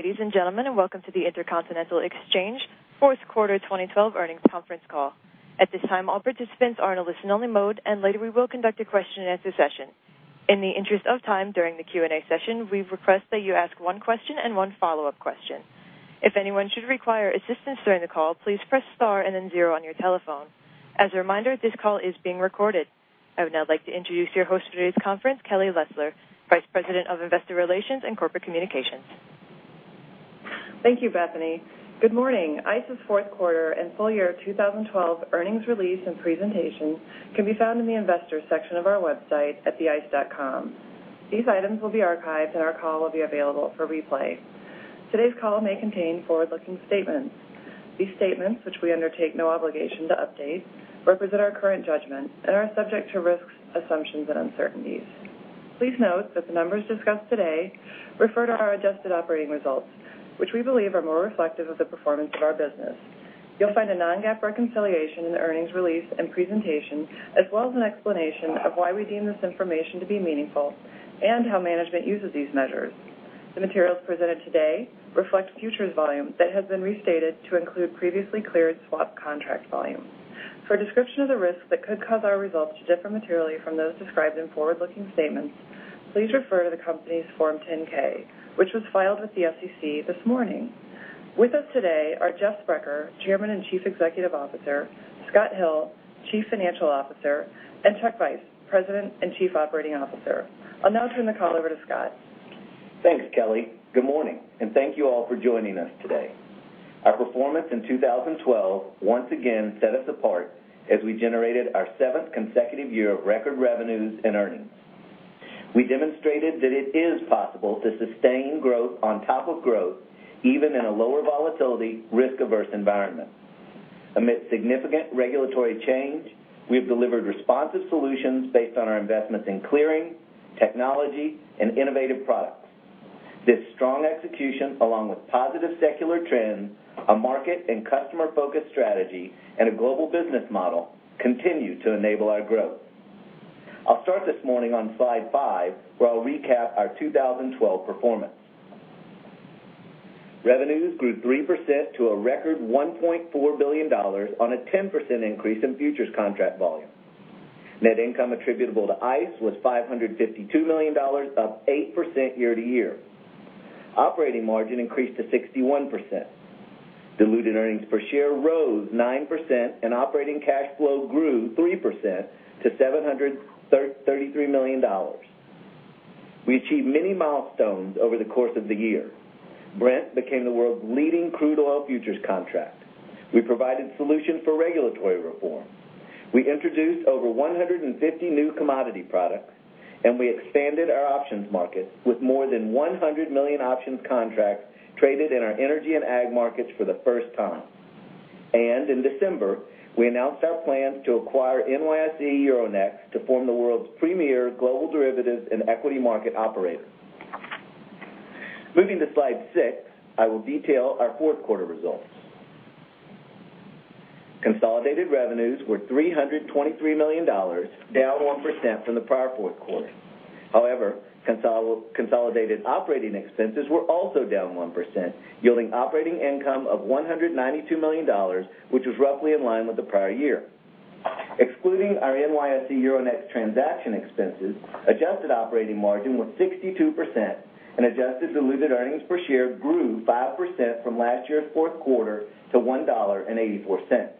Ladies and gentlemen, welcome to the Intercontinental Exchange fourth quarter 2012 earnings conference call. At this time, all participants are in a listen-only mode, and later we will conduct a question-and-answer session. In the interest of time, during the Q&A session, we request that you ask one question and one follow-up question. If anyone should require assistance during the call, please press star and then zero on your telephone. As a reminder, this call is being recorded. I would now like to introduce your host for today's conference, Kelly Loeffler, Vice President of Investor Relations and Corporate Communications. Thank you, Bethany. Good morning. ICE's fourth quarter and full year 2012 earnings release and presentation can be found in the investors section of our website at theice.com. These items will be archived, and our call will be available for replay. Today's call may contain forward-looking statements. These statements, which we undertake no obligation to update, represent our current judgment and are subject to risks, assumptions, and uncertainties. Please note that the numbers discussed today refer to our adjusted operating results, which we believe are more reflective of the performance of our business. You'll find a non-GAAP reconciliation in the earnings release and presentation, as well as an explanation of why we deem this information to be meaningful and how management uses these measures. The materials presented today reflect futures volume that has been restated to include previously cleared swap contract volume. For a description of the risks that could cause our results to differ materially from those described in forward-looking statements, please refer to the company's Form 10-K, which was filed with the SEC this morning. With us today are Jeff Sprecher, Chairman and Chief Executive Officer; Scott Hill, Chief Financial Officer; and Chuck Vice, President and Chief Operating Officer. I'll now turn the call over to Scott. Thanks, Kelly. Good morning, and thank you all for joining us today. Our performance in 2012 once again set us apart as we generated our seventh consecutive year of record revenues and earnings. We demonstrated that it is possible to sustain growth on top of growth, even in a lower volatility, risk-averse environment. Amid significant regulatory change, we have delivered responsive solutions based on our investments in clearing, technology, and innovative products. This strong execution, along with positive secular trends, a market and customer-focused strategy, and a global business model, continue to enable our growth. I'll start this morning on slide five, where I'll recap our 2012 performance. Revenues grew 3% to a record $1.4 billion on a 10% increase in futures contract volume. Net income attributable to ICE was $552 million, up 8% year to year. Operating margin increased to 61%. Diluted earnings per share rose 9%, and operating cash flow grew 3% to $733 million. We achieved many milestones over the course of the year. Brent became the world's leading crude oil futures contract. We provided solutions for regulatory reform. We introduced over 150 new commodity products, and we expanded our options market with more than 100 million options contracts traded in our energy and ag markets for the first time. In December, we announced our plans to acquire NYSE Euronext to form the world's premier global derivatives and equity market operator. Moving to slide six, I will detail our fourth quarter results. Consolidated revenues were $323 million, down 1% from the prior fourth quarter. However, consolidated operating expenses were also down 1%, yielding operating income of $192 million, which was roughly in line with the prior year. Excluding our NYSE Euronext transaction expenses, adjusted operating margin was 62%, and adjusted diluted earnings per share grew 5% from last year's fourth quarter to $1.84.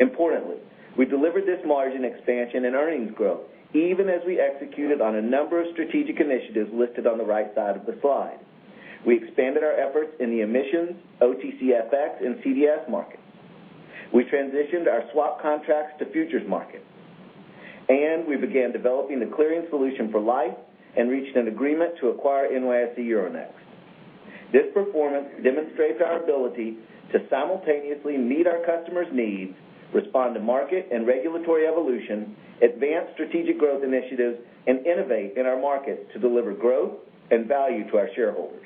Importantly, we delivered this margin expansion and earnings growth even as we executed on a number of strategic initiatives listed on the right side of the slide. We expanded our efforts in the emissions, OTCFX, and CDS markets. We transitioned our swap contracts to futures markets, and we began developing the clearing solution for Liffe and reached an agreement to acquire NYSE Euronext. This performance demonstrates our ability to simultaneously meet our customers' needs, respond to market and regulatory evolution, advance strategic growth initiatives, and innovate in our markets to deliver growth and value to our shareholders.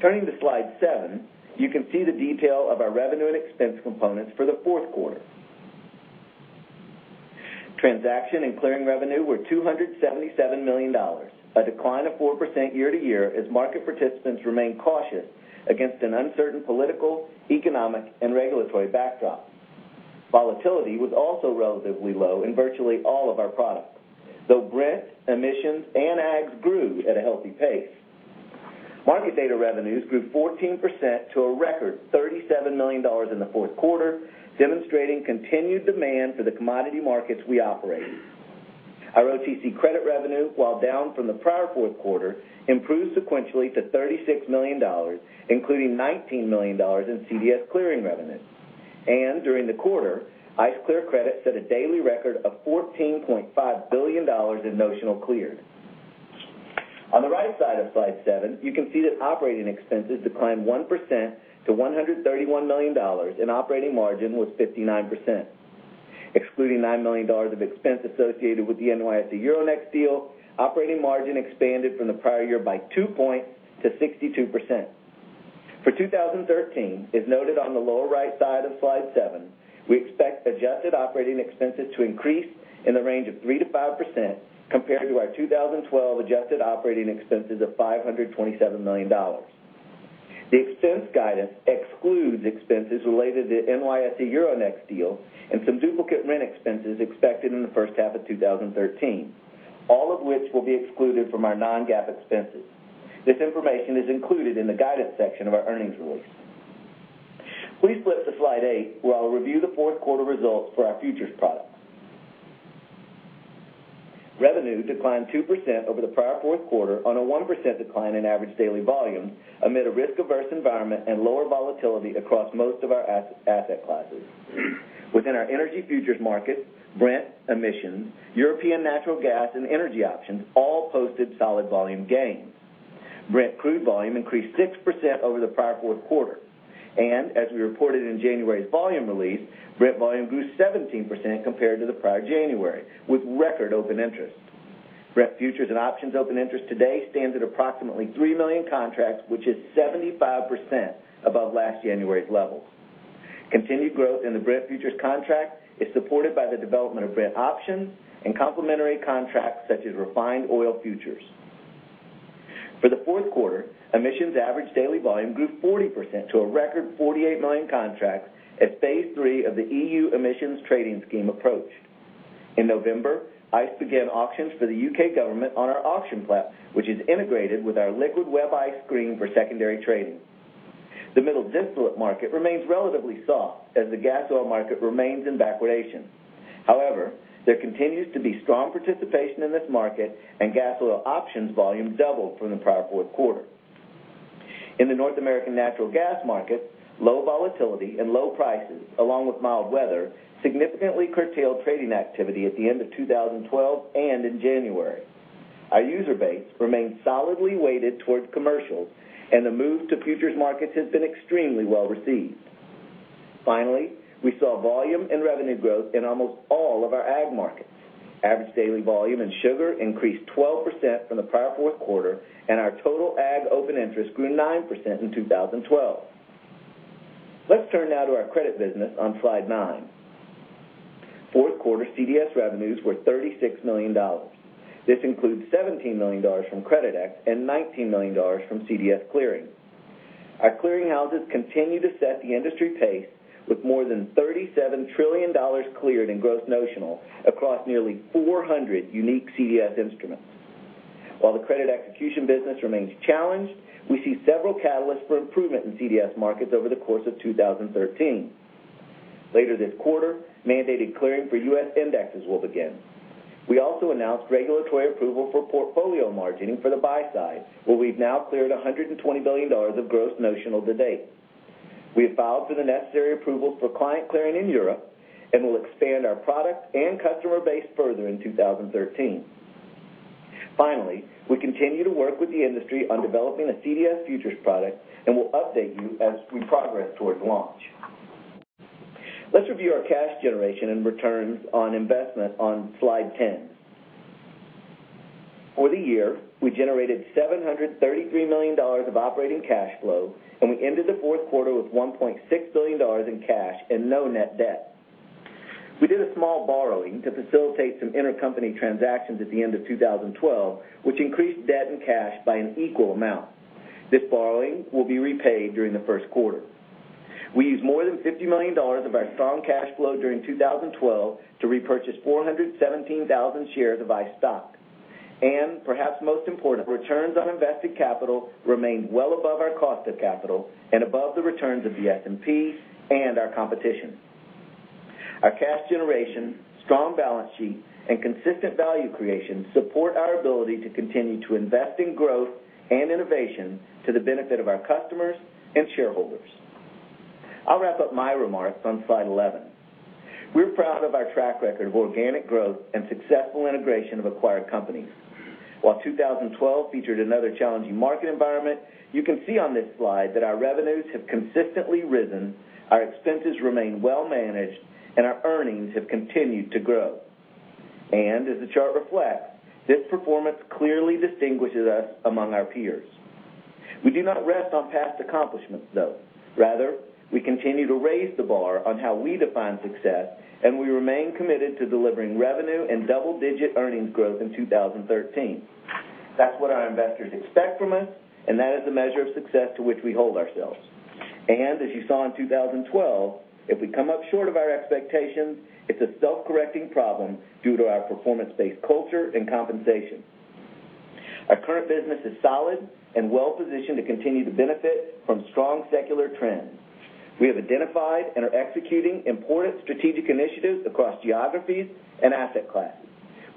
Turning to slide seven, you can see the detail of our revenue and expense components for the fourth quarter. Transaction and clearing revenue were $277 million, a decline of 4% year-over-year as market participants remained cautious against an uncertain political, economic, and regulatory backdrop. Volatility was also relatively low in virtually all of our products, though Brent, emissions, and ags grew at a healthy pace. Market data revenues grew 14% to a record $37 million in the fourth quarter, demonstrating continued demand for the commodity markets we operate in. Our OTC credit revenue, while down from the prior fourth quarter, improved sequentially to $36 million, including $19 million in CDS clearing revenues. During the quarter, ICE Clear Credit set a daily record of $14.5 billion in notional cleared. On the right side of slide seven, you can see that operating expenses declined 1% to $131 million, and operating margin was 59%. Excluding $9 million of expense associated with the NYSE Euronext deal, operating margin expanded from the prior year by two points to 62%. For 2013, as noted on the lower right side of slide seven, we expect adjusted operating expenses to increase in the range of 3%-5% compared to our 2012 adjusted operating expenses of $527 million. The expense guidance excludes expenses related to NYSE Euronext deal and some duplicate rent expenses expected in the first half of 2013, all of which will be excluded from our non-GAAP expenses. This information is included in the guidance section of our earnings release. Please flip to slide eight, where I'll review the fourth quarter results for our futures products. Revenue declined 2% over the prior fourth quarter on a 1% decline in average daily volume amid a risk-averse environment and lower volatility across most of our asset classes. Within our energy futures market, Brent, emissions, European natural gas, and energy options all posted solid volume gains. Brent crude volume increased 6% over the prior fourth quarter. As we reported in January's volume release, Brent volume grew 17% compared to the prior January, with record open interest. Brent futures and options open interest today stands at approximately 3 million contracts, which is 75% above last January's level. Continued growth in the Brent futures contract is supported by the development of Brent options and complementary contracts such as refined oil futures. For the fourth quarter, emissions average daily volume grew 40% to a record 48 million contracts as phase 3 of the EU Emissions Trading System approached. In November, ICE began auctions for the U.K. government on our auction platform, which is integrated with our liquid WebICE screen for secondary trading. The Middle Distillate market remains relatively soft as the gas oil market remains in backwardation. There continues to be strong participation in this market, and gas oil options volume doubled from the prior fourth quarter. In the North American natural gas market, low volatility and low prices, along with mild weather, significantly curtailed trading activity at the end of 2012 and in January. Our user base remains solidly weighted towards commercials, and the move to futures markets has been extremely well-received. Finally, we saw volume and revenue growth in almost all of our ag markets. Average daily volume and sugar increased 12% from the prior fourth quarter, and our total ag open interest grew 9% in 2012. Let's turn now to our credit business on slide nine. Fourth quarter CDS revenues were $36 million. This includes $17 million from Creditex and $19 million from CDS Clearing. Our clearing houses continue to set the industry pace with more than $37 trillion cleared in gross notional across nearly 400 unique CDS instruments. The credit execution business remains challenged. We see several catalysts for improvement in CDS markets over the course of 2013. Later this quarter, mandated clearing for U.S. indexes will begin. We also announced regulatory approval for portfolio margining for the buy side, where we've now cleared $120 billion of gross notional to date. We have filed for the necessary approvals for client clearing in Europe, and we'll expand our product and customer base further in 2013. Finally, we continue to work with the industry on developing a CDS futures product and will update you as we progress towards launch. Let's review our cash generation and returns on investment on slide 10. For the year, we generated $733 million of operating cash flow, and we ended the fourth quarter with $1.6 billion in cash and no net debt. We did a small borrowing to facilitate some intercompany transactions at the end of 2012, which increased debt and cash by an equal amount. This borrowing will be repaid during the first quarter. We used more than $50 million of our strong cash flow during 2012 to repurchase 417,000 shares of ICE stock. Perhaps most important, returns on invested capital remained well above our cost of capital and above the returns of the S&P and our competition. Our cash generation, strong balance sheet, and consistent value creation support our ability to continue to invest in growth and innovation to the benefit of our customers and shareholders. I'll wrap up my remarks on slide 11. We're proud of our track record of organic growth and successful integration of acquired companies. While 2012 featured another challenging market environment, you can see on this slide that our revenues have consistently risen, our expenses remain well managed, and our earnings have continued to grow. As the chart reflects, this performance clearly distinguishes us among our peers. We do not rest on past accomplishments, though. Rather, we continue to raise the bar on how we define success, and we remain committed to delivering revenue and double-digit earnings growth in 2013. That's what our investors expect from us, and that is the measure of success to which we hold ourselves. As you saw in 2012, if we come up short of our expectations, it's a self-correcting problem due to our performance-based culture and compensation. Our current business is solid and well-positioned to continue to benefit from strong secular trends. We have identified and are executing important strategic initiatives across geographies and asset classes.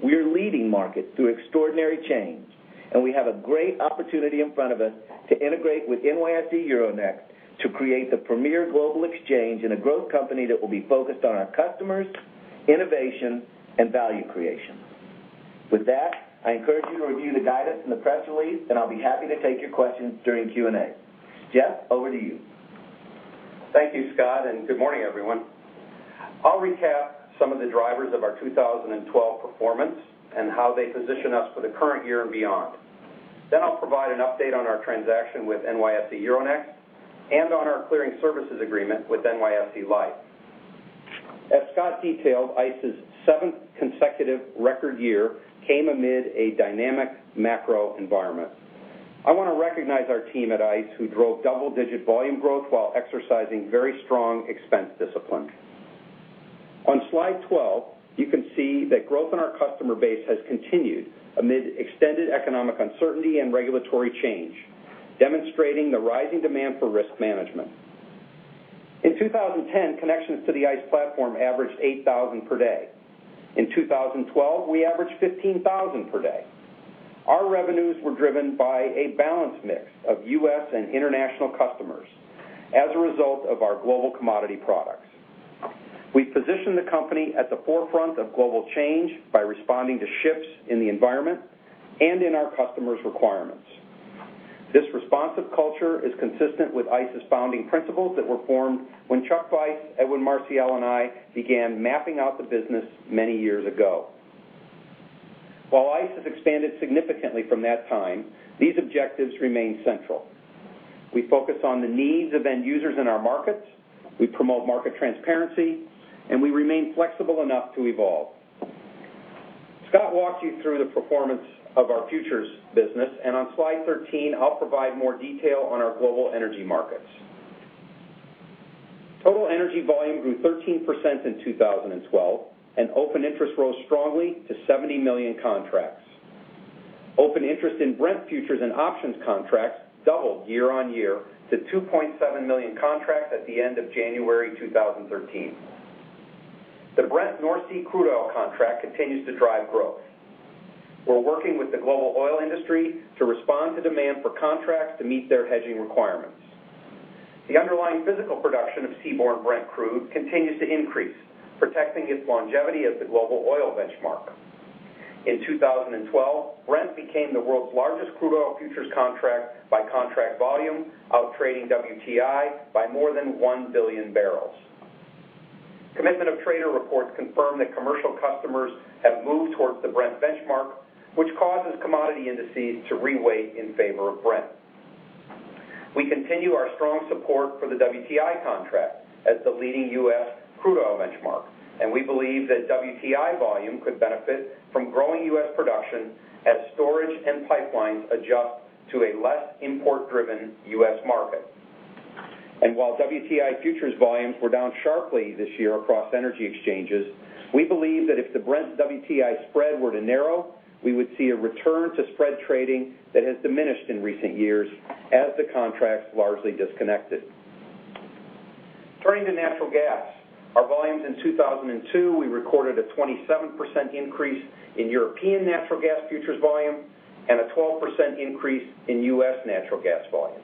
We are leading markets through extraordinary change, and we have a great opportunity in front of us to integrate with NYSE Euronext to create the premier global exchange and a growth company that will be focused on our customers, innovation, and value creation. With that, I encourage you to review the guidance in the press release, and I'll be happy to take your questions during Q&A. Jeff, over to you. Thank you, Scott, and good morning, everyone. I'll recap some of the drivers of our 2012 performance and how they position us for the current year and beyond. I'll provide an update on our transaction with NYSE Euronext and on our clearing services agreement with NYSE Liffe. As Scott detailed, ICE's seventh consecutive record year came amid a dynamic macro environment. I want to recognize our team at ICE, who drove double-digit volume growth while exercising very strong expense discipline. On slide 12, you can see that growth in our customer base has continued amid extended economic uncertainty and regulatory change, demonstrating the rising demand for risk management. In 2010, connections to the ICE platform averaged 8,000 per day. In 2012, we averaged 15,000 per day. Our revenues were driven by a balanced mix of U.S. and international customers as a result of our global commodity products. We positioned the company at the forefront of global change by responding to shifts in the environment and in our customers' requirements. This responsive culture is consistent with ICE's founding principles that were formed when Chuck Feiss, Edwin Marcial, and I began mapping out the business many years ago. While ICE has expanded significantly from that time, these objectives remain central. We focus on the needs of end users in our markets, we promote market transparency, and we remain flexible enough to evolve. Scott walked you through the performance of our futures business. On slide 13, I'll provide more detail on our global energy markets. Total energy volume grew 13% in 2012, and open interest rose strongly to 70 million contracts. Open interest in Brent futures and options contracts doubled year on year to 2.7 million contracts at the end of January 2013. The Brent North Sea crude oil contract continues to drive growth. We're working with the global oil industry to respond to demand for contracts to meet their hedging requirements. The underlying physical production of seaborne Brent crude continues to increase, protecting its longevity as the global oil benchmark. In 2012, Brent became the world's largest crude oil futures contract by contract volume, out-trading WTI by more than 1 billion barrels. Commitments of Traders reports confirm that commercial customers have moved towards the Brent benchmark, which causes commodity indices to re-weigh in favor of Brent. We continue our strong support for the WTI contract as the leading U.S. crude oil benchmark, and we believe that WTI volume could benefit from growing U.S. production as storage and pipelines adjust to a less import-driven U.S. market. While WTI futures volumes were down sharply this year across energy exchanges, we believe that if the Brent/WTI spread were to narrow, we would see a return to spread trading that has diminished in recent years as the contracts largely disconnected. Turning to natural gas. Our volumes in 2012, we recorded a 27% increase in European natural gas futures volume and a 12% increase in U.S. natural gas volume.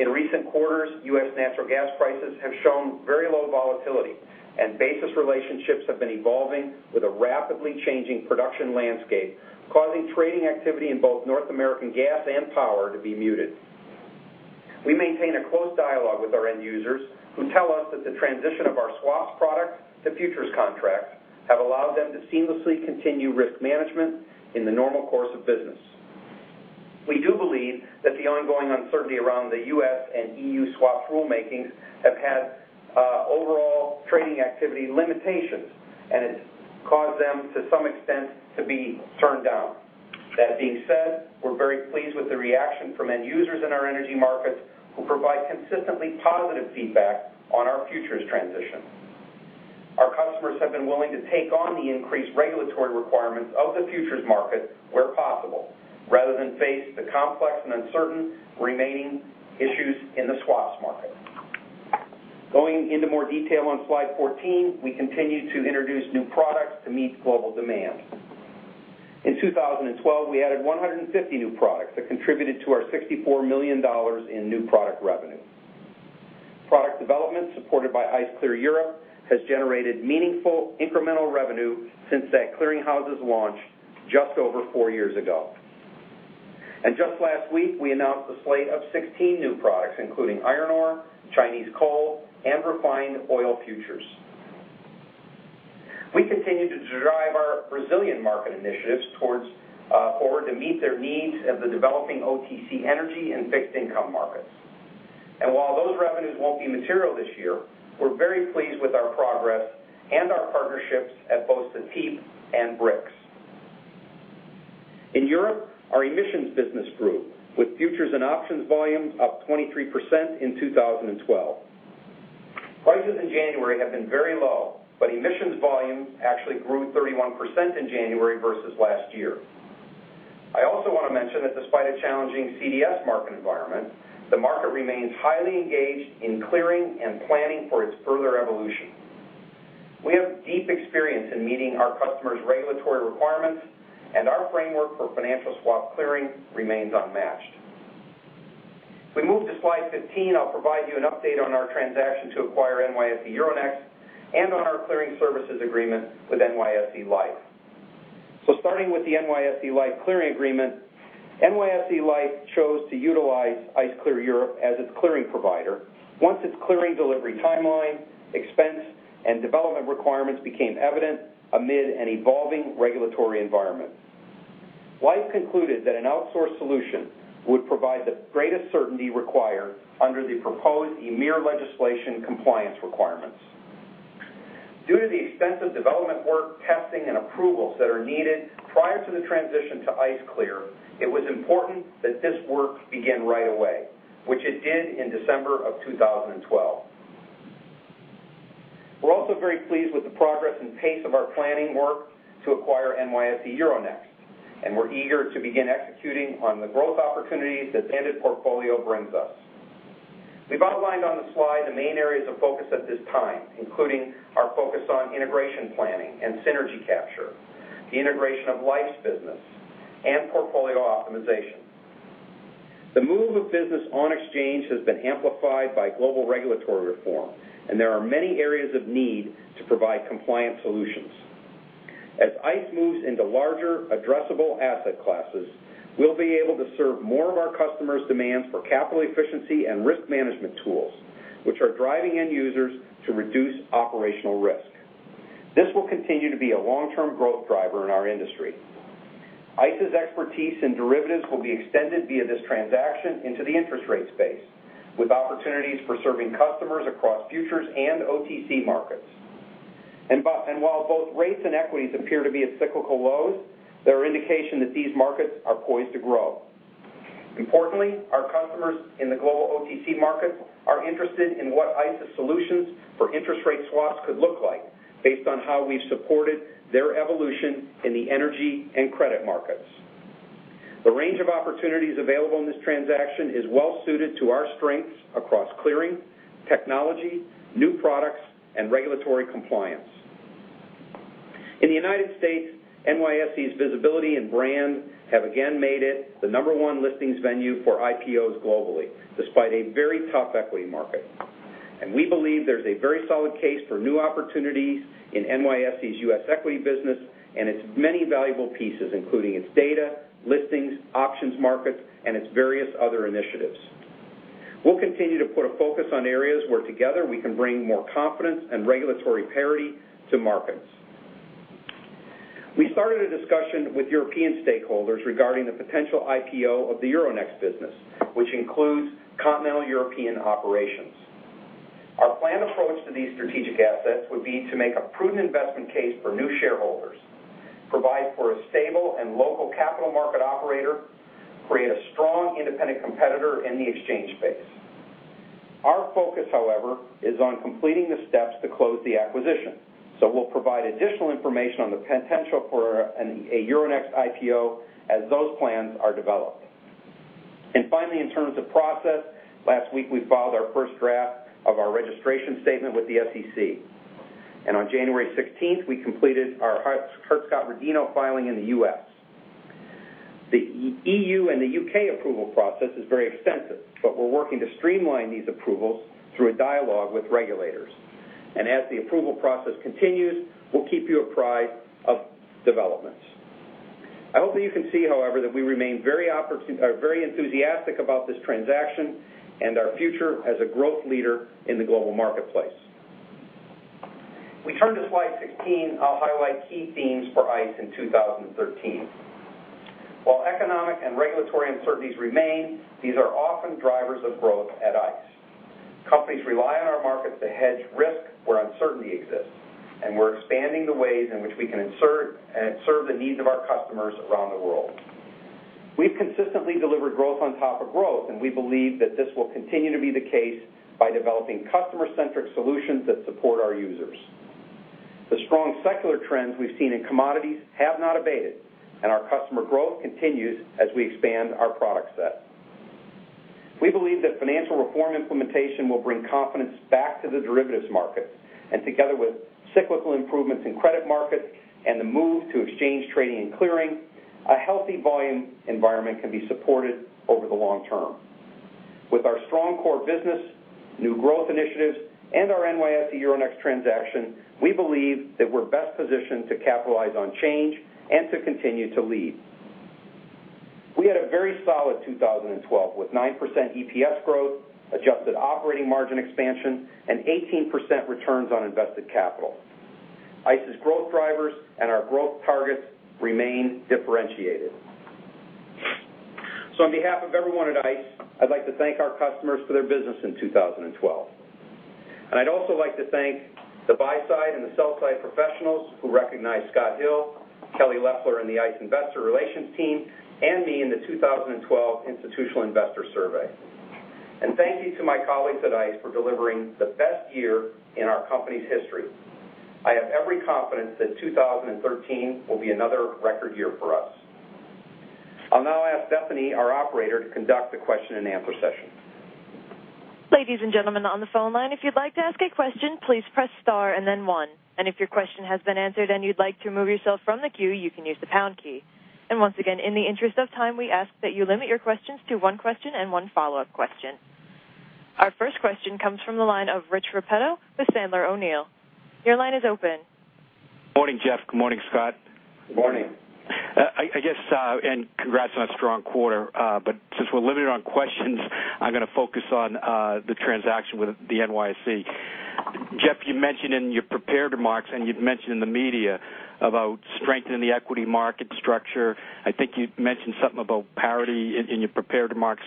In recent quarters, U.S. natural gas prices have shown very low volatility, and basis relationships have been evolving with a rapidly changing production landscape, causing trading activity in both North American gas and power to be muted. We maintain a close dialogue with our end users, who tell us that the transition of our swaps product to futures contracts have allowed them to seamlessly continue risk management in the normal course of business. We do believe that the ongoing uncertainty around the U.S. and EU swaps rulemakings have had overall trading activity limitations, and it's caused them, to some extent, to be turned down. That being said, we're very pleased with the reaction from end users in our energy markets, who provide consistently positive feedback on our futures transition. Our customers have been willing to take on the increased regulatory requirements of the futures market where possible, rather than face the complex and uncertain remaining issues in the swaps market. Going into more detail on slide 14, we continue to introduce new products to meet global demand. In 2012, we added 150 new products that contributed to our $64 million in new product revenue. Product development, supported by ICE Clear Europe, has generated meaningful incremental revenue since that clearing house's launch just over four years ago. Just last week, we announced a slate of 16 new products, including iron ore, Chinese coal, and refined oil futures. We continue to drive our Brazilian market initiatives in order to meet their needs of the developing OTC energy and fixed income markets. While those revenues won't be material this year, we're very pleased with our progress and our partnerships at both Cetip and BRIX. In Europe, our emissions business grew, with futures and options volumes up 23% in 2012. Prices in January have been very low, but emissions volumes actually grew 31% in January versus last year. I also want to mention that despite a challenging CDS market environment, the market remains highly engaged in clearing and planning for its further evolution. We have deep experience in meeting our customers' regulatory requirements, and our framework for financial swap clearing remains unmatched. If we move to slide 15, I'll provide you an update on our transaction to acquire NYSE Euronext and on our clearing services agreement with NYSE Liffe. Starting with the NYSE Liffe clearing agreement, NYSE Liffe chose to utilize ICE Clear Europe as its clearing provider once its clearing delivery timeline, expense, and development requirements became evident amid an evolving regulatory environment. Liffe concluded that an outsourced solution would provide the greatest certainty required under the proposed EMIR legislation compliance requirements. Due to the extensive development work, testing, and approvals that are needed prior to the transition to ICE Clear, it was important that this work begin right away, which it did in December of 2012. We're also very pleased with the progress and pace of our planning work to acquire NYSE Euronext, and we're eager to begin executing on the growth opportunities that the added portfolio brings us. We've outlined on the slide the main areas of focus at this time, including our focus on integration planning and synergy capture, the integration of Liffe's business, and portfolio optimization. The move of business on exchange has been amplified by global regulatory reform, there are many areas of need to provide compliant solutions. As ICE moves into larger addressable asset classes, we'll be able to serve more of our customers' demands for capital efficiency and risk management tools, which are driving end users to reduce operational risk. This will continue to be a long-term growth driver in our industry. ICE's expertise in derivatives will be extended via this transaction into the interest rate space, with opportunities for serving customers across futures and OTC markets. While both rates and equities appear to be at cyclical lows, there are indications that these markets are poised to grow. Importantly, our customers in the global OTC markets are interested in what ICE's solutions for interest rate swaps could look like based on how we've supported their evolution in the energy and credit markets. The range of opportunities available in this transaction is well-suited to our strengths across clearing, technology, new products, and regulatory compliance. In the U.S., NYSE's visibility and brand have again made it the number one listings venue for IPOs globally, despite a very tough equity market. We believe there's a very solid case for new opportunities in NYSE's U.S. equity business and its many valuable pieces, including its data, listings, options markets, and its various other initiatives. We'll continue to put a focus on areas where together we can bring more confidence and regulatory parity to markets. We started a discussion with European stakeholders regarding the potential IPO of the Euronext business, which includes continental European operations. Our planned approach to these strategic assets would be to make a prudent investment case for new shareholders, provide for a stable and local capital market operator, create a strong independent competitor in the exchange space. Our focus, however, is on completing the steps to close the acquisition, we'll provide additional information on the potential for a Euronext IPO as those plans are developed. Finally, in terms of process, last week we filed our first draft of our registration statement with the SEC. On January 16th, we completed our Hart-Scott-Rodino filing in the U.S. The EU and the U.K. approval process is very extensive, we're working to streamline these approvals through a dialogue with regulators. As the approval process continues, we'll keep you apprised of developments. I hope that you can see, however, that we remain very enthusiastic about this transaction and our future as a growth leader in the global marketplace. If we turn to slide sixteen, I'll highlight key themes for ICE in 2013. While economic and regulatory uncertainties remain, these are often drivers of growth at ICE. Companies rely on our markets to hedge risk where uncertainty exists, and we're expanding the ways in which we can serve the needs of our customers around the world. We've consistently delivered growth on top of growth, and we believe that this will continue to be the case by developing customer-centric solutions that support our users. The strong secular trends we've seen in commodities have not abated, and our customer growth continues as we expand our product set. We believe that financial reform implementation will bring confidence back to the derivatives market, together with cyclical improvements in credit markets and the move to exchange trading and clearing, a healthy volume environment can be supported over the long term. With our strong core business, new growth initiatives, and our NYSE Euronext transaction, we believe that we're best positioned to capitalize on change and to continue to lead. We had a very solid 2012 with 9% EPS growth, adjusted operating margin expansion, and 18% returns on invested capital. ICE's growth drivers and our growth targets remain differentiated. On behalf of everyone at ICE, I'd like to thank our customers for their business in 2012. I'd also like to thank the buy-side and the sell-side professionals who recognized Scott Hill, Kelly Loeffler, and the ICE Investor Relations team and me in the 2012 Institutional Investor Survey. Thank you to my colleagues at ICE for delivering the best year in our company's history. I have every confidence that 2013 will be another record year for us. I'll now ask Stephanie, our operator, to conduct the question and answer session. Ladies and gentlemen on the phone line, if you'd like to ask a question, please press star one. If your question has been answered and you'd like to remove yourself from the queue, you can use the pound key. Once again, in the interest of time, we ask that you limit your questions to one question and one follow-up question. Our first question comes from the line of Rich Repetto with Sandler O'Neill. Your line is open. Morning, Jeff. Good morning, Scott. Good morning. Congrats on a strong quarter, but since we're limited on questions, I'm going to focus on the transaction with the NYSE. Jeff, you mentioned in your prepared remarks, and you've mentioned in the media about strengthening the equity market structure. I think you mentioned something about parity in your prepared remarks.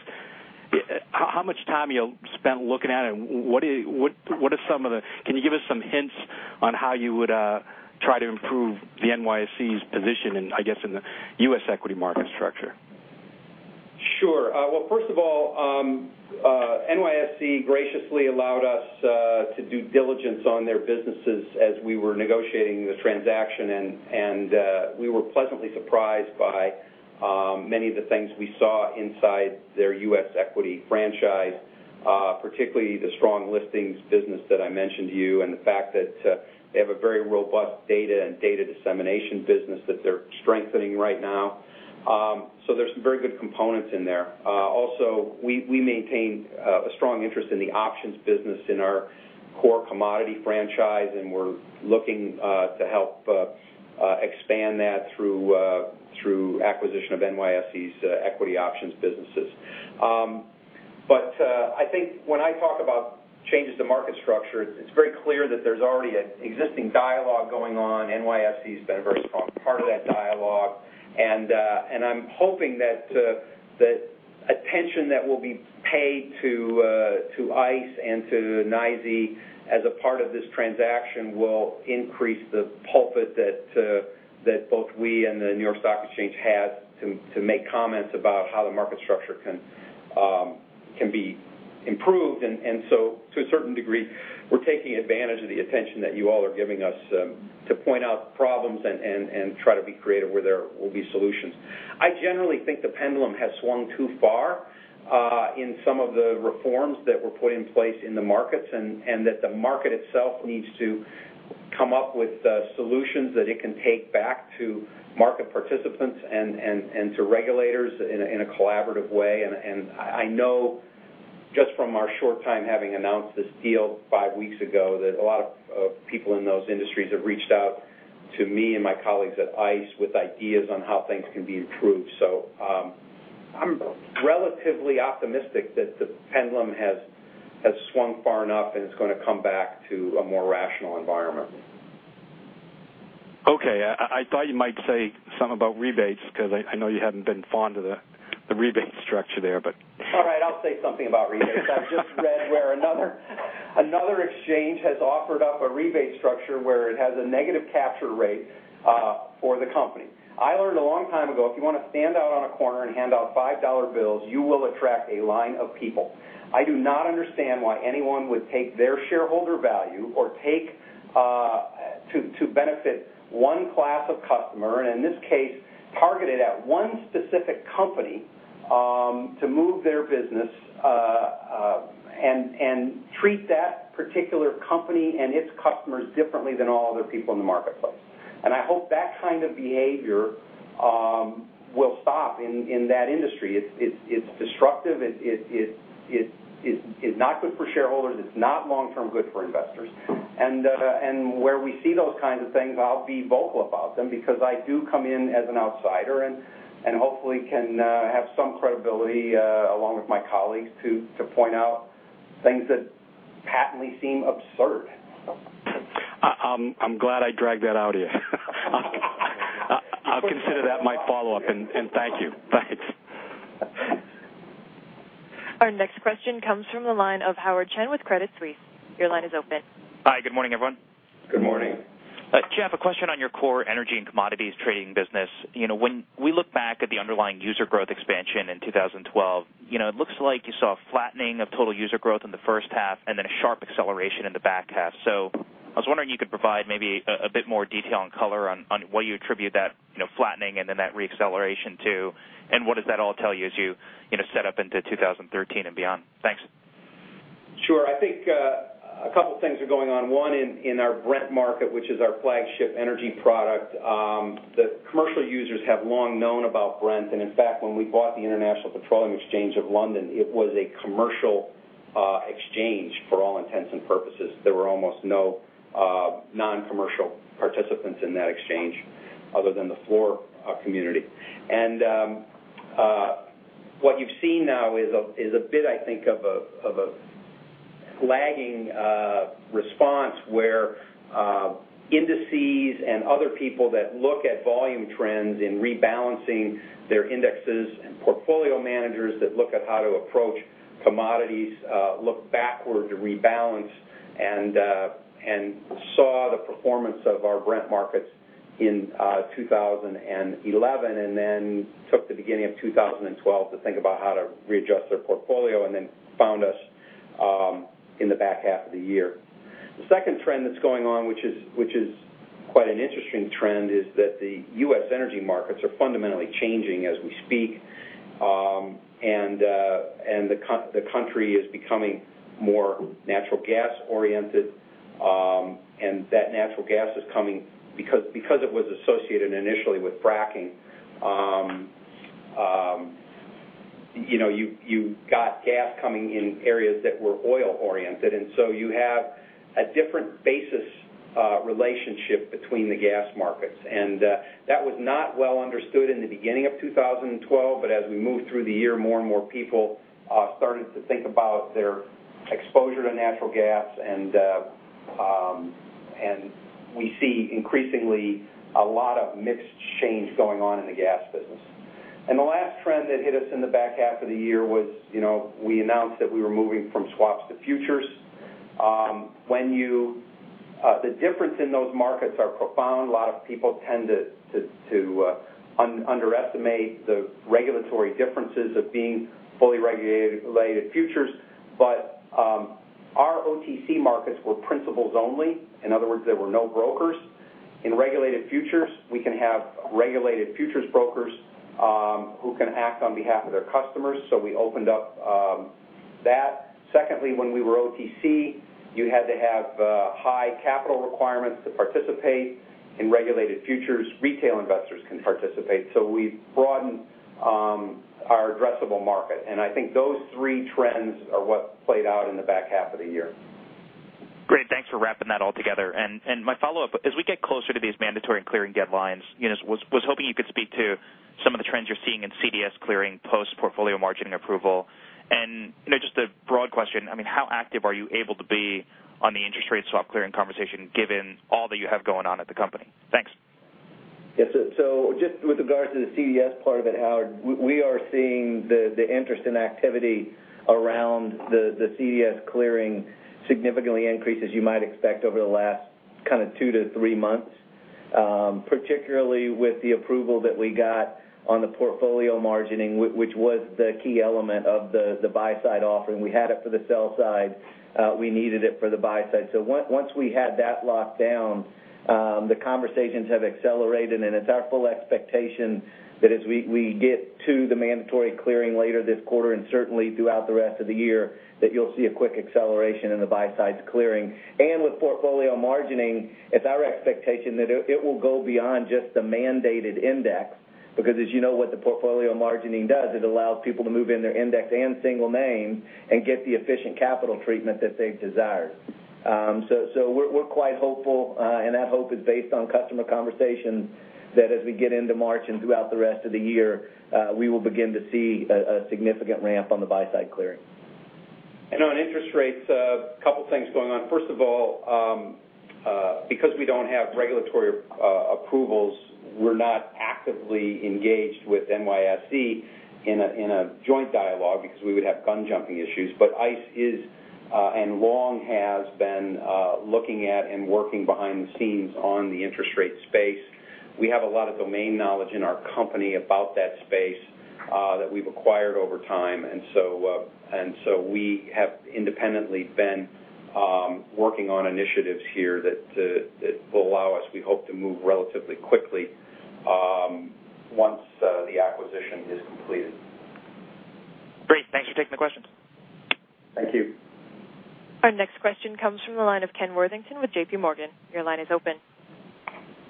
How much time you'll spend looking at it, can you give us some hints on how you would try to improve the NYSE's position in, I guess, in the U.S. equity market structure? Sure. First of all, NYSE graciously allowed us to do diligence on their businesses as we were negotiating the transaction, and we were pleasantly surprised by many of the things we saw inside their U.S. equity franchise, particularly the strong listings business that I mentioned to you and the fact that they have a very robust data and data dissemination business that they're strengthening right now. There's some very good components in there. Also, we maintain a strong interest in the options business in our core commodity franchise, and we're looking to help expand that through acquisition of NYSE's equity options businesses. I think when I talk about changes to market structure, it's very clear that there's already an existing dialogue going on. NYSE has been a very strong part of that dialogue. I'm hoping that attention that will be paid to ICE and to NYSE as a part of this transaction will increase the pulpit that both we and the New York Stock Exchange have to make comments about how the market structure can be improved. To a certain degree, we're taking advantage of the attention that you all are giving us to point out problems and try to be creative where there will be solutions. I generally think the pendulum has swung too far in some of the reforms that were put in place in the markets, that the market itself needs to come up with solutions that it can take back to market participants and to regulators in a collaborative way. I know just from our short time having announced this deal five weeks ago, that a lot of people in those industries have reached out to me and my colleagues at ICE with ideas on how things can be improved. I'm relatively optimistic that the pendulum has swung far enough and it's going to come back to a more rational environment. Okay. I thought you might say something about rebates because I know you hadn't been fond of the rebate structure there. All right. I'll say something about rebates. I've just read where another exchange has offered up a rebate structure where it has a negative capture rate for the company. I learned a long time ago, if you want to stand out on a corner and hand out $5 bills, you will attract a line of people. I do not understand why anyone would take their shareholder value to benefit one class of customer, and in this case, target it at one specific company to move their business and treat that particular company and its customers differently than all other people in the marketplace. I hope that kind of behavior will stop in that industry. It's destructive. It's not good for shareholders. It's not long-term good for investors. Where we see those kinds of things, I'll be vocal about them because I do come in as an outsider and hopefully can have some credibility along with my colleagues to point out things that patently seem absurd. I'm glad I dragged that out of you. I'll consider that my follow-up, and thank you. Thanks. Our next question comes from the line of Howard Chen with Credit Suisse. Your line is open. Hi, good morning, everyone. Good morning. Jeff, a question on your core energy and commodities trading business. When we look back at the underlying user growth expansion in 2012, it looks like you saw a flattening of total user growth in the first half and then a sharp acceleration in the back half. I was wondering if you could provide maybe a bit more detail and color on what you attribute that flattening and then that re-acceleration to, and what does that all tell you as you set up into 2013 and beyond? Thanks. Sure. I think a couple of things are going on. One, in our Brent market, which is our flagship energy product, the commercial users have long known about Brent, and in fact, when we bought the International Petroleum Exchange of London, it was a commercial exchange for all intents and purposes. There were almost no non-commercial participants in that exchange other than the floor community. What you've seen now is a bit, I think, of a lagging response where indices and other people that look at volume trends in rebalancing their indexes and portfolio managers that look at how to approach commodities look backward to rebalance and saw the performance of our Brent markets in 2011 and then took the beginning of 2012 to think about how to readjust their portfolio and then found us in the back half of the year. The second trend that's going on, which is quite an interesting trend, is that the U.S. energy markets are fundamentally changing as we speak, the country is becoming more natural gas-oriented, that natural gas is coming because it was associated initially with fracking. You've got gas coming in areas that were oil-oriented, you have a different basis relationship between the gas markets. That was not well understood in the beginning of 2012, as we moved through the year, more and more people started to think about their exposure to natural gas, we see increasingly a lot of mixed change going on in the gas business. The last trend that hit us in the back half of the year was, we announced that we were moving from swaps to futures. The difference in those markets are profound. A lot of people tend to underestimate the regulatory differences of being fully regulated futures. Our OTC markets were principals only. In other words, there were no brokers. In regulated futures, we can have regulated futures brokers who can act on behalf of their customers, so we opened up that. Secondly, when we were OTC, you had to have high capital requirements to participate. In regulated futures, retail investors can participate. We've broadened our addressable market, I think those three trends are what played out in the back half of the year. Great. Thanks for wrapping that all together. My follow-up, as we get closer to these mandatory and clearing deadlines, was hoping you could speak to some of the trends you're seeing in CDS clearing post-portfolio margining approval. Just a broad question, how active are you able to be on the interest rate swap clearing conversation, given all that you have going on at the company? Thanks. Yes. Just with regards to the CDS part of it, Howard, we are seeing the interest in activity around the CDS clearing significantly increase, as you might expect over the last two to three months. Particularly with the approval that we got on the portfolio margining, which was the key element of the buy-side offering. We had it for the sell side. We needed it for the buy side. Once we had that locked down, the conversations have accelerated, it's our full expectation that as we get to the mandatory clearing later this quarter, certainly throughout the rest of the year, that you'll see a quick acceleration in the buy side's clearing. With portfolio margining, it's our expectation that it will go beyond just the mandated index, because as you know what the portfolio margining does, it allows people to move in their index and single name and get the efficient capital treatment that they desire. We're quite hopeful, and that hope is based on customer conversations that as we get into March and throughout the rest of the year, we will begin to see a significant ramp on the buy-side clearing. On interest rates, a couple of things going on. First of all, because we don't have regulatory approvals, we're not actively engaged with NYSE in a joint dialogue because we would have gun jumping issues. ICE is, and long has been, looking at and working behind the scenes on the interest rate space. We have a lot of domain knowledge in our company about that space that we've acquired over time, we have independently been working on initiatives here that will allow us, we hope, to move relatively quickly once the acquisition is completed. Great. Thanks for taking the questions. Thank you. Our next question comes from the line of Ken Worthington with J.P. Morgan. Your line is open.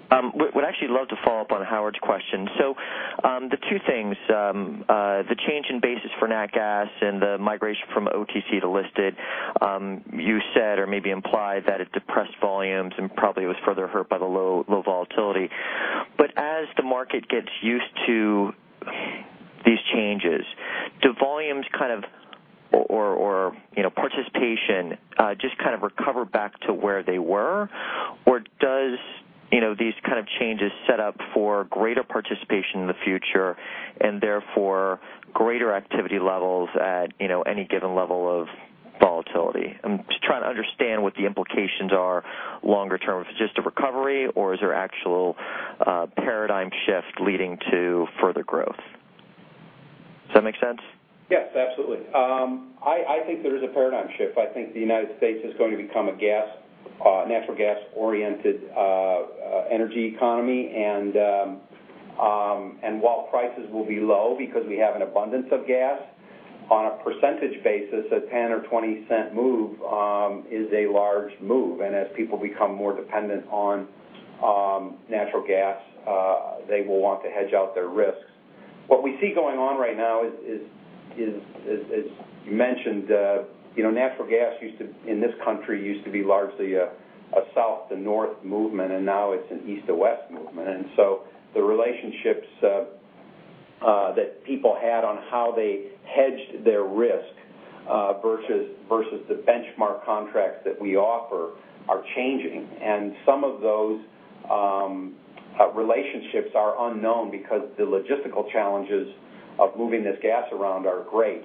Would actually love to follow up on Howard's question. The two things, the change in basis for nat gas and the migration from OTC to listed. You said, or maybe implied, that it depressed volumes and probably was further hurt by the low volatility. As the market gets used to these changes, do volumes or participation just kind of recover back to where they were? Or does these kind of changes set up for greater participation in the future and therefore greater activity levels at any given level of volatility? I am just trying to understand what the implications are longer term. If it is just a recovery or is there actual paradigm shift leading to further growth? Does that make sense? Yes, absolutely. I think there is a paradigm shift. I think the United States is going to become a natural gas-oriented energy economy. While prices will be low because we have an abundance of gas, on a percentage basis, a $0.10 or $0.20 move is a large move. As people become more dependent on natural gas, they will want to hedge out their risks. What we see going on right now is, as mentioned, natural gas in this country used to be largely a south to north movement, and now it is an east to west movement. The relationships that people had on how they hedged their risk versus the benchmark contracts that we offer are changing. Some of those relationships are unknown because the logistical challenges of moving this gas around are great.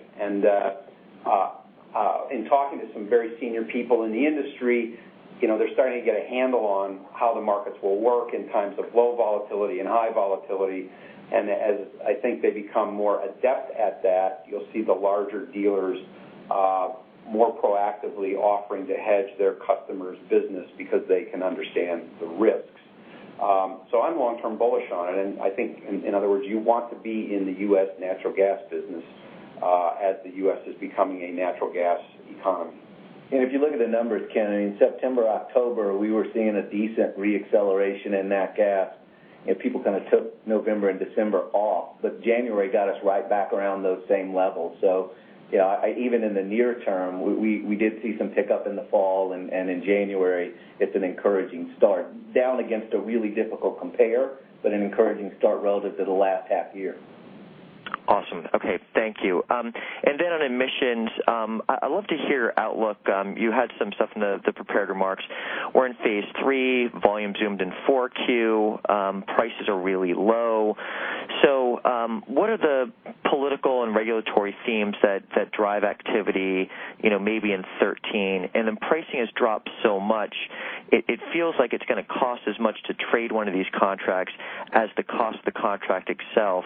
In talking to some very senior people in the industry, they are starting to get a handle on how the markets will work in times of low volatility and high volatility. As, I think, they become more adept at that, you will see the larger dealers more proactively offering to hedge their customers' business because they can understand the risks. I am long-term bullish on it. I think, in other words, you want to be in the U.S. natural gas business as the U.S. is becoming a natural gas economy. If you look at the numbers, Ken, in September, October, we were seeing a decent re-acceleration in nat gas, and people kind of took November and December off, January got us right back around those same levels. Even in the near term, we did see some pickup in the fall, and in January, it's an encouraging start. Down against a really difficult compare, but an encouraging start relative to the last half year. Awesome. Okay. Thank you. Then on emissions, I'd love to hear your outlook. You had some stuff in the prepared remarks. We're in phase III, volume zoomed in Q4, prices are really low. What are the political and regulatory themes that drive activity maybe in 2013? Then pricing has dropped so much, it feels like it's going to cost as much to trade one of these contracts as the cost of the contract itself.